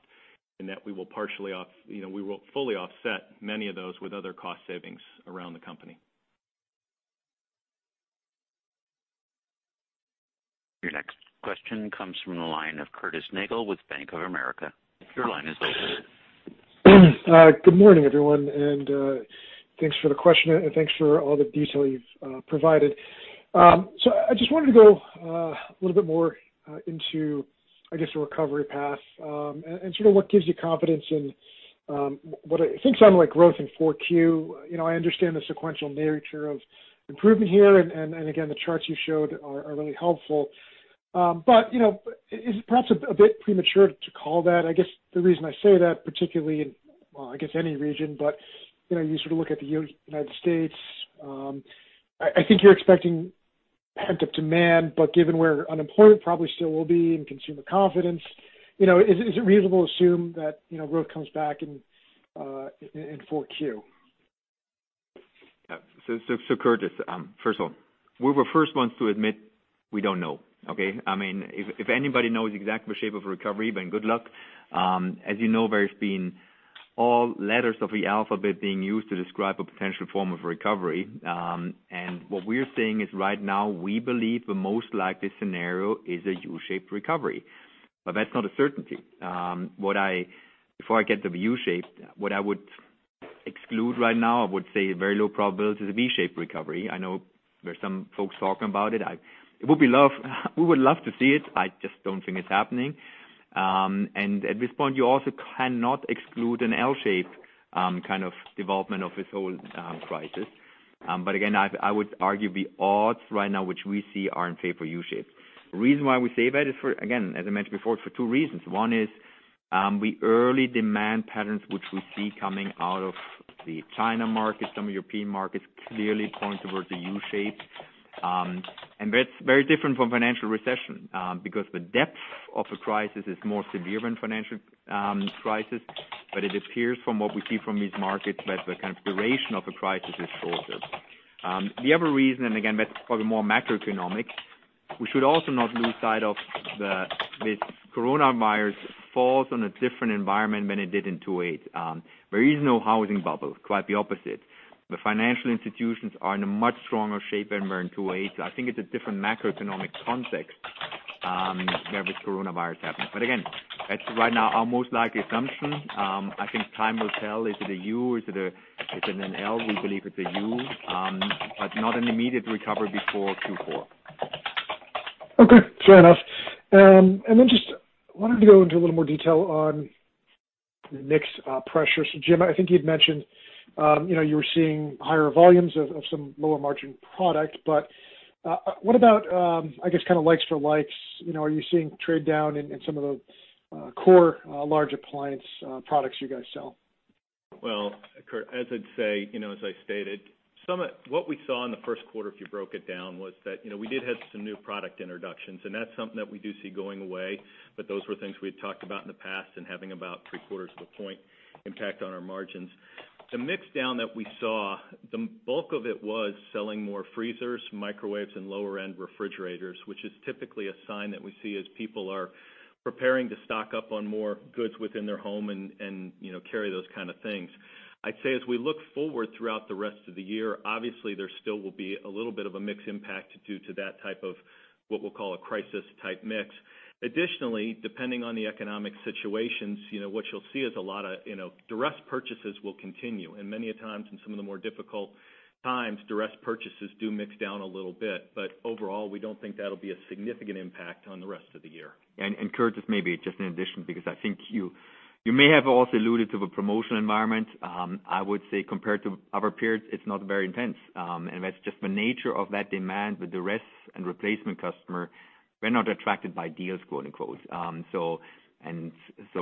That we will fully offset many of those with other cost savings around the company. Your next question comes from the line of Curtis Nagle with Bank of America. Your line is open. Good morning, everyone, and thanks for the question and thanks for all the detail you've provided. I just wanted to go a little bit more into, I guess, the recovery path, and sort of what gives you confidence in what I think sounded like growth in Q4. I understand the sequential nature of improvement here, and again, the charts you showed are really helpful. Is it perhaps a bit premature to call that? I guess the reason I say that, particularly in, well, I guess any region, but you sort of look at the United States. I think you're expecting pent-up demand. Given where unemployment probably still will be and consumer confidence, is it reasonable to assume that growth comes back in Q4? Curtis, first of all, we were first ones to admit we don't know, okay. If anybody knows exactly the shape of recovery, then good luck. As you know, there's been all letters of the alphabet being used to describe a potential form of recovery. What we're seeing is right now, we believe the most likely scenario is a U-shaped recovery. That's not a certainty. Before I get to the U-shape. Exclude right now, I would say very low probability is a V-shaped recovery. I know there are some folks talking about it. We would love to see it. I just don't think it's happening. At this point, you also cannot exclude an L-shape kind of development of this whole crisis. Again, I would argue the odds right now, which we see, are in favor U-shape. The reason why we say that is, again, as I mentioned before, for two reasons. One is, the early demand patterns, which we see coming out of the China market, some European markets clearly point towards a U-shape. That's very different from financial recession, because the depth of the crisis is more severe than financial crisis. It appears from what we see from these markets that the kind of duration of the crisis is shorter. The other reason, and again, that's probably more macroeconomic, we should also not lose sight of this coronavirus falls on a different environment than it did in 1928. There is no housing bubble, quite the opposite. The financial institutions are in a much stronger shape than they were in 1928. I think it's a different macroeconomic context, where this coronavirus happened. Again, that's right now our most likely assumption. I think time will tell, is it a U, is it an L? We believe it's a U, but not an immediate recovery before Q4. Okay, fair enough. Just wanted to go into a little more detail on mix pressures. Jim, I think you'd mentioned you were seeing higher volumes of some lower margin product, what about, I guess, kind of likes for likes? Are you seeing trade down in some of the core large appliance products you guys sell? Well, Curtis, as I'd say, as I stated, what we saw in the first quarter, if you broke it down, was that we did have some new product introductions, and that's something that we do see going away. But those were things we had talked about in the past and having about three-quarters of a point impact on our margins. The mix down that we saw, the bulk of it was selling more freezers, microwaves, and lower-end refrigerators, which is typically a sign that we see as people are preparing to stock up on more goods within their home and carry those kind of things. I'd say as we look forward throughout the rest of the year, obviously, there still will be a little bit of a mix impact due to that type of what we'll call a crisis-type mix. Additionally, depending on the economic situations, what you'll see is a lot of duress purchases will continue, and many a times in some of the more difficult times, duress purchases do mix down a little bit. Overall, we don't think that'll be a significant impact on the rest of the year. Curtis, this may be just an addition because I think you may have also alluded to the promotional environment. I would say compared to other periods, it's not very intense. That's just the nature of that demand with the rest and replacement customer, were not attracted by deals, quote-unquote.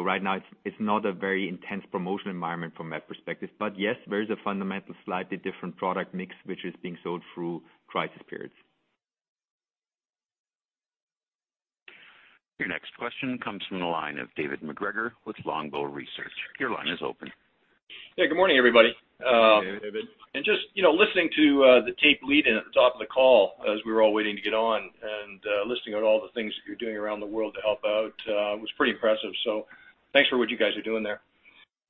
Right now, it's not a very intense promotional environment from that perspective. Yes, there is a fundamental, slightly different product mix, which is being sold through crisis periods. Your next question comes from the line of David MacGregor with Longbow Research. Your line is open. Yeah, good morning, everybody. Hey, David. Just listening to the tape lead in at the top of the call as we were all waiting to get on, and listening at all the things that you're doing around the world to help out, was pretty impressive. Thanks for what you guys are doing there.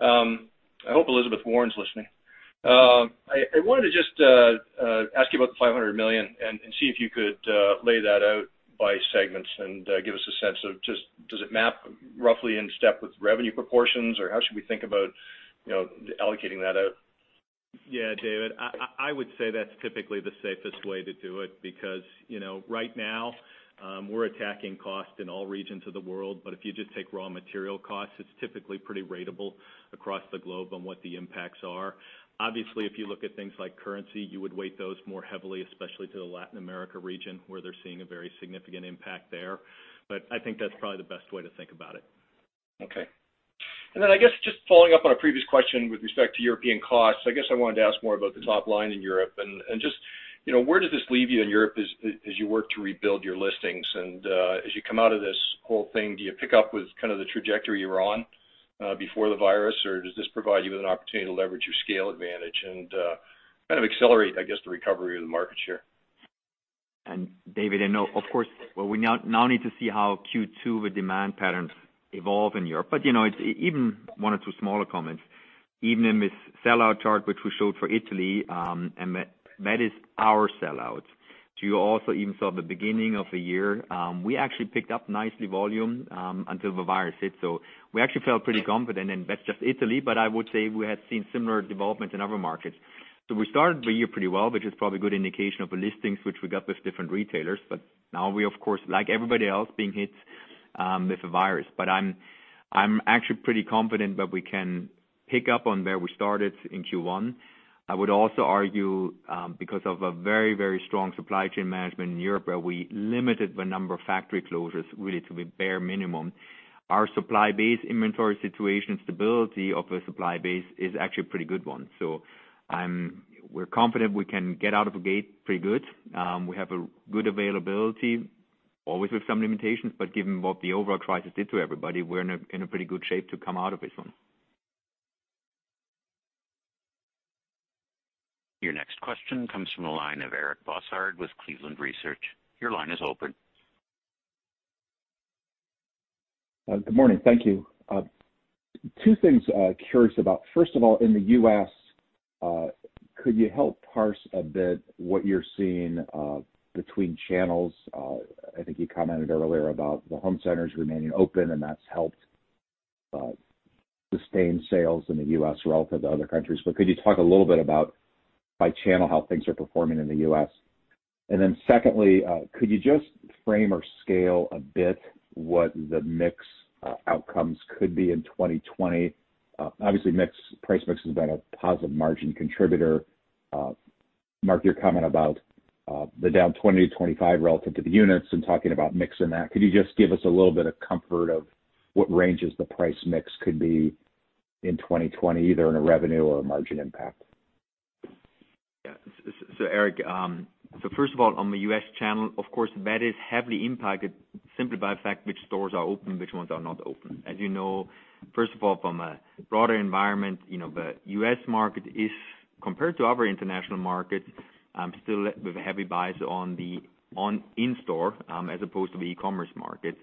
I hope Elizabeth Warren's listening. I wanted to just ask you about the $500 million and see if you could lay that out by segments and give us a sense of just, does it map roughly in step with revenue proportions, or how should we think about allocating that out? Yeah, David, I would say that's typically the safest way to do it because right now, we're attacking cost in all regions of the world. If you just take raw material costs, it's typically pretty ratable across the globe on what the impacts are. Obviously, if you look at things like currency, you would weight those more heavily, especially to the Latin America region, where they're seeing a very significant impact there. I think that's probably the best way to think about it. Okay. I guess just following up on a previous question with respect to European costs, I guess I wanted to ask more about the top line in Europe and just where does this leave you in Europe as you work to rebuild your listings and as you come out of this whole thing, do you pick up with kind of the trajectory you were on before the virus, or does this provide you with an opportunity to leverage your scale advantage and kind of accelerate, I guess, the recovery of the market share? David, I know, of course, well, we now need to see how Q2 with demand patterns evolve in Europe. Even one or two smaller comments. Even in this sellout chart, which we showed for Italy, that is our sellout. You also even saw at the beginning of the year, we actually picked up nicely volume, until the virus hit. We actually felt pretty confident, that's just Italy, but I would say we had seen similar development in other markets. We started the year pretty well, which is probably a good indication of the listings which we got with different retailers. Now we, of course, like everybody else, being hit, with the virus. I'm actually pretty confident that we can pick up on where we started in Q1. I would also argue, because of a very strong supply chain management in Europe, where we limited the number of factory closures really to the bare minimum. Our supply base inventory situation stability of the supply base is actually a pretty good one. We're confident we can get out of the gate pretty good. We have a good availability, always with some limitations, but given what the overall crisis did to everybody, we're in a pretty good shape to come out of this one. Your next question comes from the line of Eric Bosshard with Cleveland Research. Your line is open. Good morning. Thank you. Two things curious about. First of all, in the U.S., could you help parse a bit what you're seeing between channels? I think you commented earlier about the home centers remaining open, and that's helped sustain sales in the U.S. relative to other countries. Could you talk a little bit about by channel, how things are performing in the U.S.? Secondly, could you just frame or scale a bit what the mix outcomes could be in 2020? Obviously, price mix has been a positive margin contributor. Marc, your comment about the down 2020-2025 relative to the units and talking about mixing that. Could you just give us a little bit of comfort of what ranges the price mix could be in 2020, either in a revenue or a margin impact? Yeah. Eric, first of all, on the U.S. channel, of course, that is heavily impacted simply by the fact which stores are open, which ones are not open. As you know, first of all, from a broader environment, the U.S. market is, compared to other international markets, still with a heavy bias on in-store, as opposed to the e-commerce market.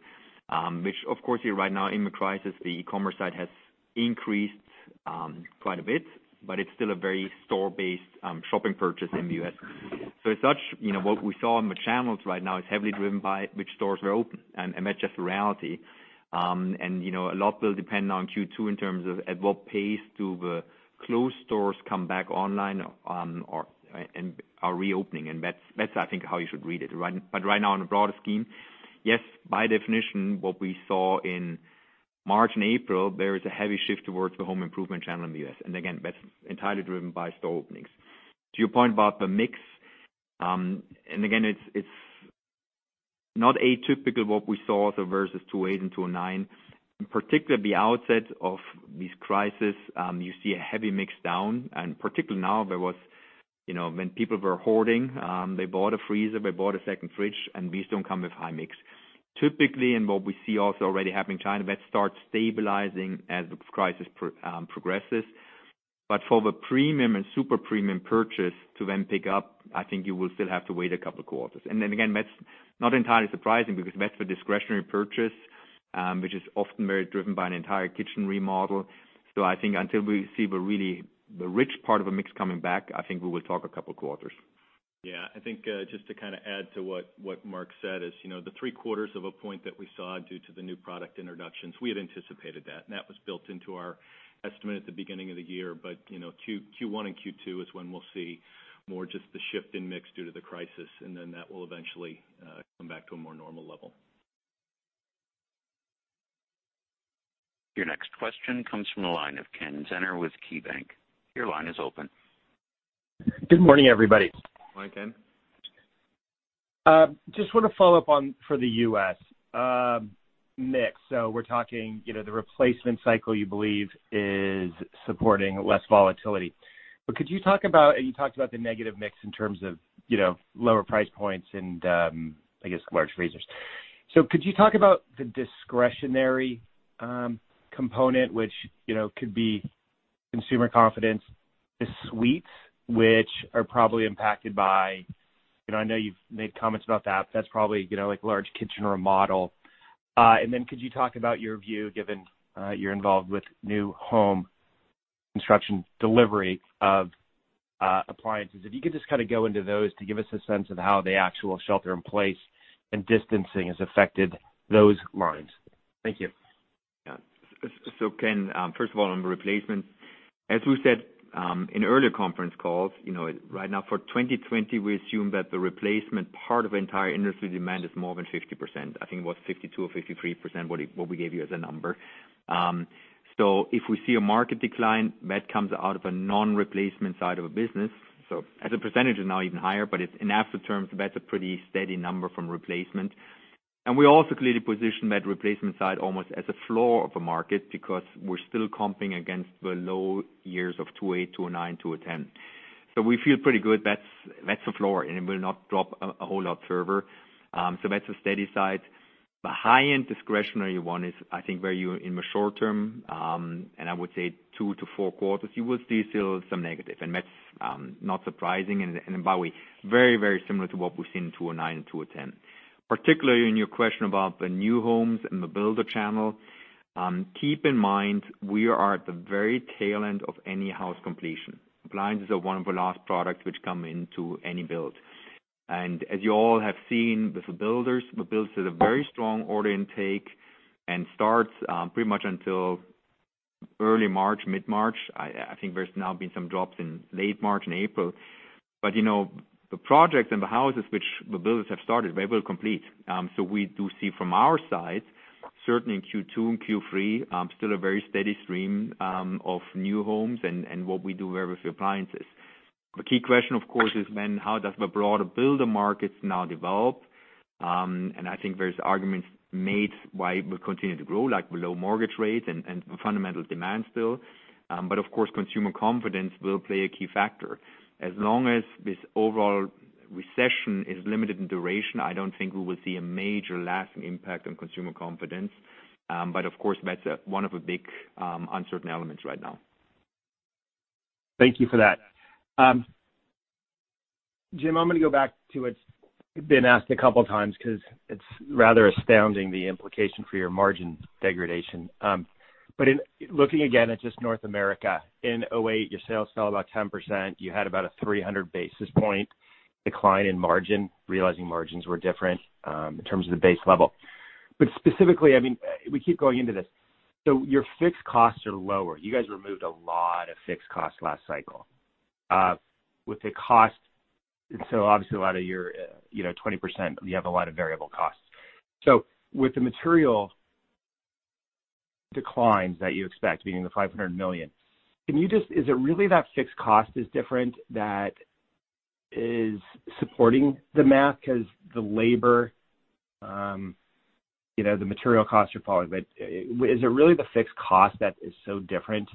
Which of course, here right now in the crisis, the e-commerce side has increased quite a bit, but it's still a very store-based shopping purchase in the U.S. As such, what we saw in the channels right now is heavily driven by which stores are open, and that's just the reality. A lot will depend on Q2 in terms of at what pace do the closed stores come back online and are reopening. That's I think how you should read it. Right now in the broader scheme, yes, by definition, what we saw in March and April, there is a heavy shift towards the home improvement channel in the U.S. Again, that's entirely driven by store openings. To your point about the mix, and again, it's not atypical what we saw versus 2008 and 2009. Particularly at the outset of this crisis, you see a heavy mix down, and particularly now there was, when people were hoarding, they bought a freezer, they bought a second fridge, and these don't come with high mix. Typically, and what we see also already happen in China, that starts stabilizing as the crisis progresses. For the premium and super premium purchase to then pick up, I think you will still have to wait a couple of quarters. Then again, that's not entirely surprising because that's the discretionary purchase, which is often very driven by an entire kitchen remodel. I think until we see the rich part of a mix coming back, I think we will talk a couple of quarters. Yeah, I think just to add to what Marc said is, the three-quarters of a point that we saw due to the new product introductions, we had anticipated that, and that was built into our estimate at the beginning of the year. Q1 and Q2 is when we'll see more just the shift in mix due to the crisis, and then that will eventually come back to a more normal level. Your next question comes from the line of Ken Zener with KeyBank. Your line is open. Good morning, everybody. Morning, Ken. Just want to follow up on for the U.S. mix. We're talking the replacement cycle you believe is supporting less volatility. Could you talk about, and you talked about the negative mix in terms of lower price points and, I guess large freezers? Could you talk about the discretionary component, which could be consumer confidence, the suites, which are probably impacted by, I know you've made comments about that, but that's probably like large kitchen remodel? Then could you talk about your view given you're involved with new home construction delivery of appliances? If you could just go into those to give us a sense of how the actual shelter in place and distancing has affected those lines. Thank you. Yeah. Ken, first of all, on the replacement. As we said in earlier conference calls, right now for 2020, we assume that the replacement part of entire industry demand is more than 50%. I think it was 52% or 53% what we gave you as a number. If we see a market decline, that comes out of a non-replacement side of a business. As a percentage is now even higher, but in absolute terms, that's a pretty steady number from replacement. We also clearly position that replacement side almost as a floor of a market because we're still comping against the low years of 2008, 2009, 2010. We feel pretty good that's the floor, and it will not drop a whole lot further. That's the steady side. The high-end discretionary one is, I think, where you're in the short term, I would say two to four quarters, you will see still some negative, and that's not surprising. By the way, very similar to what we've seen in 2009 and 2010. Particularly in your question about the new homes and the builder channel, keep in mind, we are at the very tail end of any house completion. Appliances are one of the last products which come into any build. As you all have seen with the builders, the builds had a very strong order intake and starts pretty much until early March, mid-March. I think there's now been some drops in late March and April. The projects and the houses which the builders have started, they will complete. We do see from our side, certainly in Q2 and Q3, still a very steady stream of new homes and what we do there with the appliances. The key question, of course, is when, how does the broader builder markets now develop? I think there's arguments made why it will continue to grow, like low mortgage rates and fundamental demand still. Of course, consumer confidence will play a key factor. As long as this overall recession is limited in duration, I don't think we will see a major lasting impact on consumer confidence. Of course, that's one of the big uncertain elements right now. Thank you for that Jim, I'm going to go back to it. I've been asked a couple times because it's rather astounding the implication for your margin degradation. In looking again at just North America in 2008, your sales fell about 10%. You had about a 300 basis points decline in margin, realizing margins were different, in terms of the base level. Specifically, we keep going into this. Your fixed costs are lower. You guys removed a lot of fixed costs last cycle. Obviously a lot of your 20%, you have a lot of variable costs. With the material declines that you expect being the $500 million, is it really that fixed cost is different that is supporting the math because the labor, the material costs are falling, but is it really the fixed cost that is so different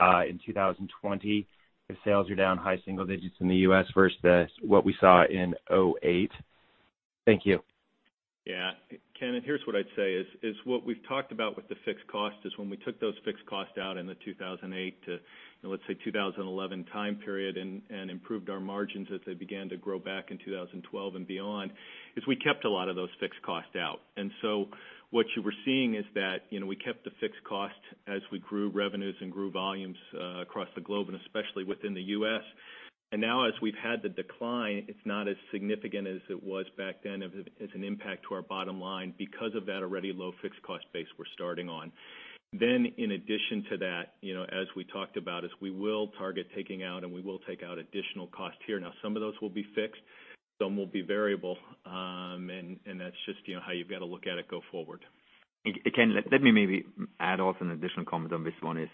in 2020 if sales are down high single digits in the U.S. versus what we saw in 2008? Thank you. Yeah. Ken, here's what I'd say is what we've talked about with the fixed cost is when we took those fixed costs out in the 2008 to, let's say 2011 time period and improved our margins as they began to grow back in 2012 and beyond, is we kept a lot of those fixed costs out. What you were seeing is that we kept the fixed cost as we grew revenues and grew volumes, across the globe and especially within the U.S. Now as we've had the decline, it's not as significant as it was back then as an impact to our bottom line because of that already low fixed cost base we're starting on. In addition to that, as we talked about, is we will target taking out and we will take out additional cost here. Now, some of those will be fixed, some will be variable. That's just how you've got to look at it go forward. Ken Zener, let me maybe add also an additional comment on this one is,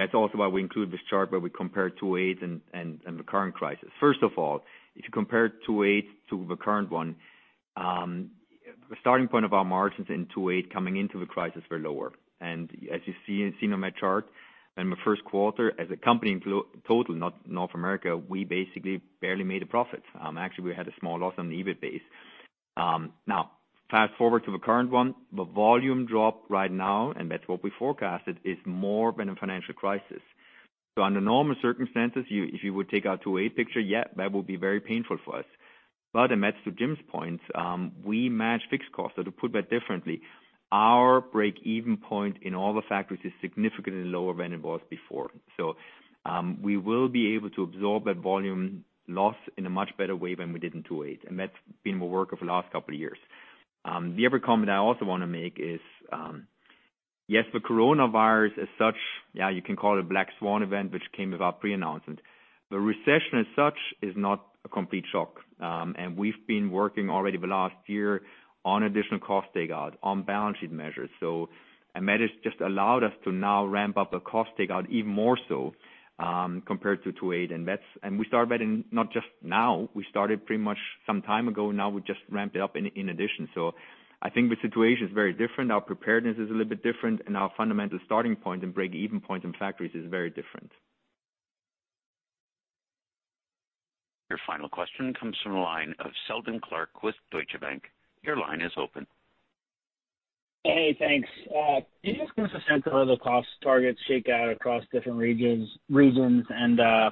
that's also why we include this chart where we compare 2008 and the current crisis. First of all, if you compare 2008 to the current one, the starting point of our margins in 2008 coming into the crisis were lower. As you see on my chart, in the first quarter as a company in total, not North America, we basically barely made a profit. Actually, we had a small loss on the EBIT base. Now, fast-forward to the current one. The volume drop right now, that's what we forecasted, is more than a financial crisis. Under normal circumstances, if you would take out 2008 picture, yeah, that would be very painful for us. That's to Jim's point, we match fixed costs. To put that differently, our break-even point in all the factories is significantly lower than it was before. We will be able to absorb that volume loss in a much better way than we did in 2008. That's been the work of the last couple of years. The other comment I also want to make is, yes, the coronavirus as such, you can call it a black swan event, which came without pre-announcement. The recession as such is not a complete shock. We've been working already the last year on additional cost takeout, on balance sheet measures. That has just allowed us to now ramp up the cost takeout even more so, compared to 2008. We started that in not just now. We started pretty much some time ago. Now we just ramped it up in addition. I think the situation is very different. Our preparedness is a little bit different and our fundamental starting point and break-even point in factories is very different. Your final question comes from the line of Seldon Clarke with Deutsche Bank. Your line is open. Hey, thanks. Can you just give us a sense of how the cost targets shake out across different regions?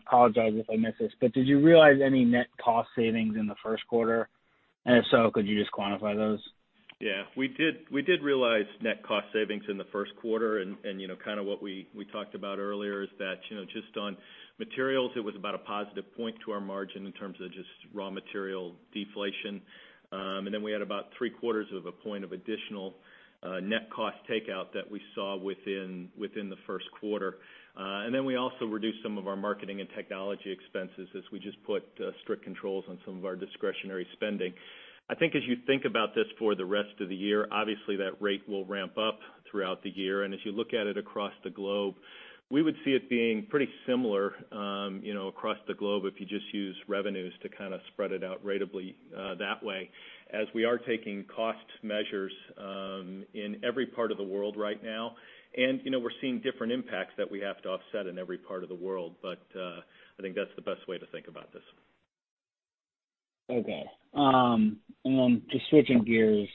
Apologize if I miss this, but did you realize any net cost savings in the first quarter? If so, could you just quantify those? Yeah, we did realize net cost savings in the first quarter. Kind of what we talked about earlier is that just on materials, it was about a positive point to our margin in terms of just raw material deflation. We had about three-quarters of a point of additional net cost takeout that we saw within the first quarter. We also reduced some of our marketing and technology expenses as we just put strict controls on some of our discretionary spending. I think as you think about this for the rest of the year, obviously that rate will ramp up throughout the year. As you look at it across the globe, we would see it being pretty similar across the globe if you just use revenues to kind of spread it out ratably that way as we are taking cost measures in every part of the world right now. We're seeing different impacts that we have to offset in every part of the world. I think that's the best way to think about this. Okay. Just switching gears,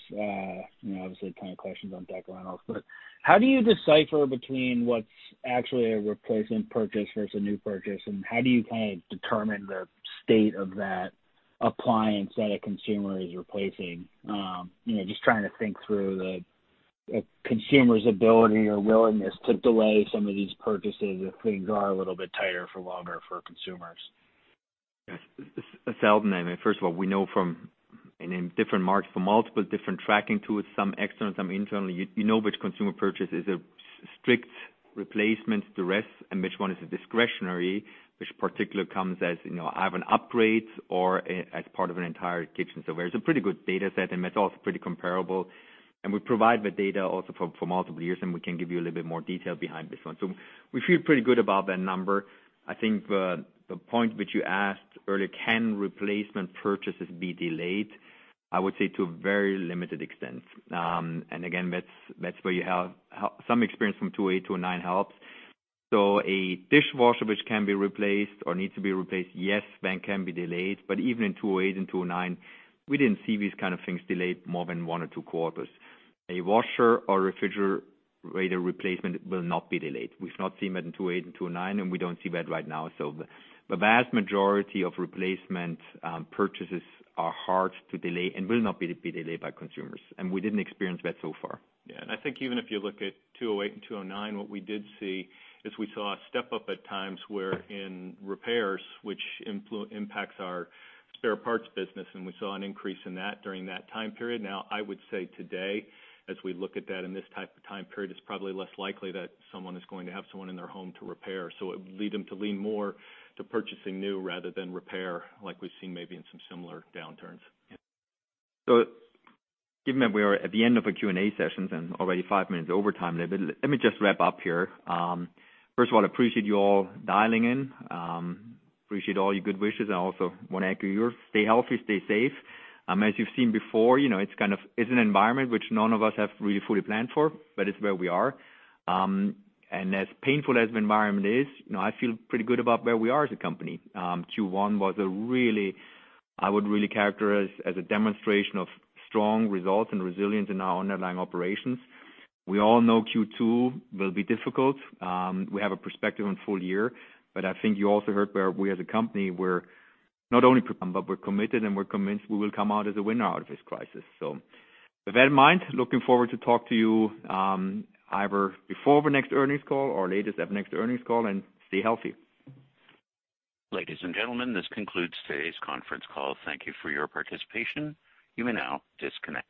obviously plenty of questions on background also. How do you decipher between what's actually a replacement purchase versus a new purchase, and how do you kind of determine the state of that appliance that a consumer is replacing? Just trying to think through the consumer's ability or willingness to delay some of these purchases if things are a little bit tighter for longer for consumers. Yes. Sheldon, first of all, we know from in different markets, from multiple different tracking tools, some external, some internal, you know which consumer purchase is a strict replacement to rest and which one is a discretionary, which particular comes as either an upgrade or as part of an entire kitchen. There's a pretty good data set, and that's also pretty comparable. We provide the data also for multiple years, and we can give you a little bit more detail behind this one. We feel pretty good about that number. I think the point which you asked earlier, can replacement purchases be delayed? I would say to a very limited extent. Again, that's where some experience from 2008, 2009 helps. A dishwasher which can be replaced or needs to be replaced, yes, that can be delayed. Even in 2008 and 2009, we didn't see these kind of things delayed more than one or two quarters. A washer or refrigerator replacement will not be delayed. We've not seen that in 2008 and 2009, and we don't see that right now. The vast majority of replacement purchases are hard to delay and will not be delayed by consumers, and we didn't experience that so far. I think even if you look at 2008 and 2009, what we did see is we saw a step-up at times where in repairs, which impacts our spare parts business, and we saw an increase in that during that time period. I would say today, as we look at that in this type of time period, it's probably less likely that someone is going to have someone in their home to repair. It would lead them to lean more to purchasing new rather than repair, like we've seen maybe in some similar downturns. Given that we are at the end of the Q&A sessions and already five minutes over time limit, let me just wrap up here. First of all, appreciate you all dialing in. Appreciate all your good wishes, and I also want to echo yours. Stay healthy, stay safe. As you've seen before, it's an environment which none of us have really fully planned for, but it's where we are. As painful as the environment is, I feel pretty good about where we are as a company. Q1 was a really, I would really characterize as a demonstration of strong results and resilience in our underlying operations. We all know Q2 will be difficult. We have a perspective on full year, but I think you also heard where we as a company, we're not only prepared, but we're committed and we're convinced we will come out as a winner out of this crisis. With that in mind, looking forward to talk to you either before the next earnings call or latest at next earnings call, and stay healthy. Ladies and gentlemen, this concludes today's conference call. Thank you for your participation. You may now disconnect.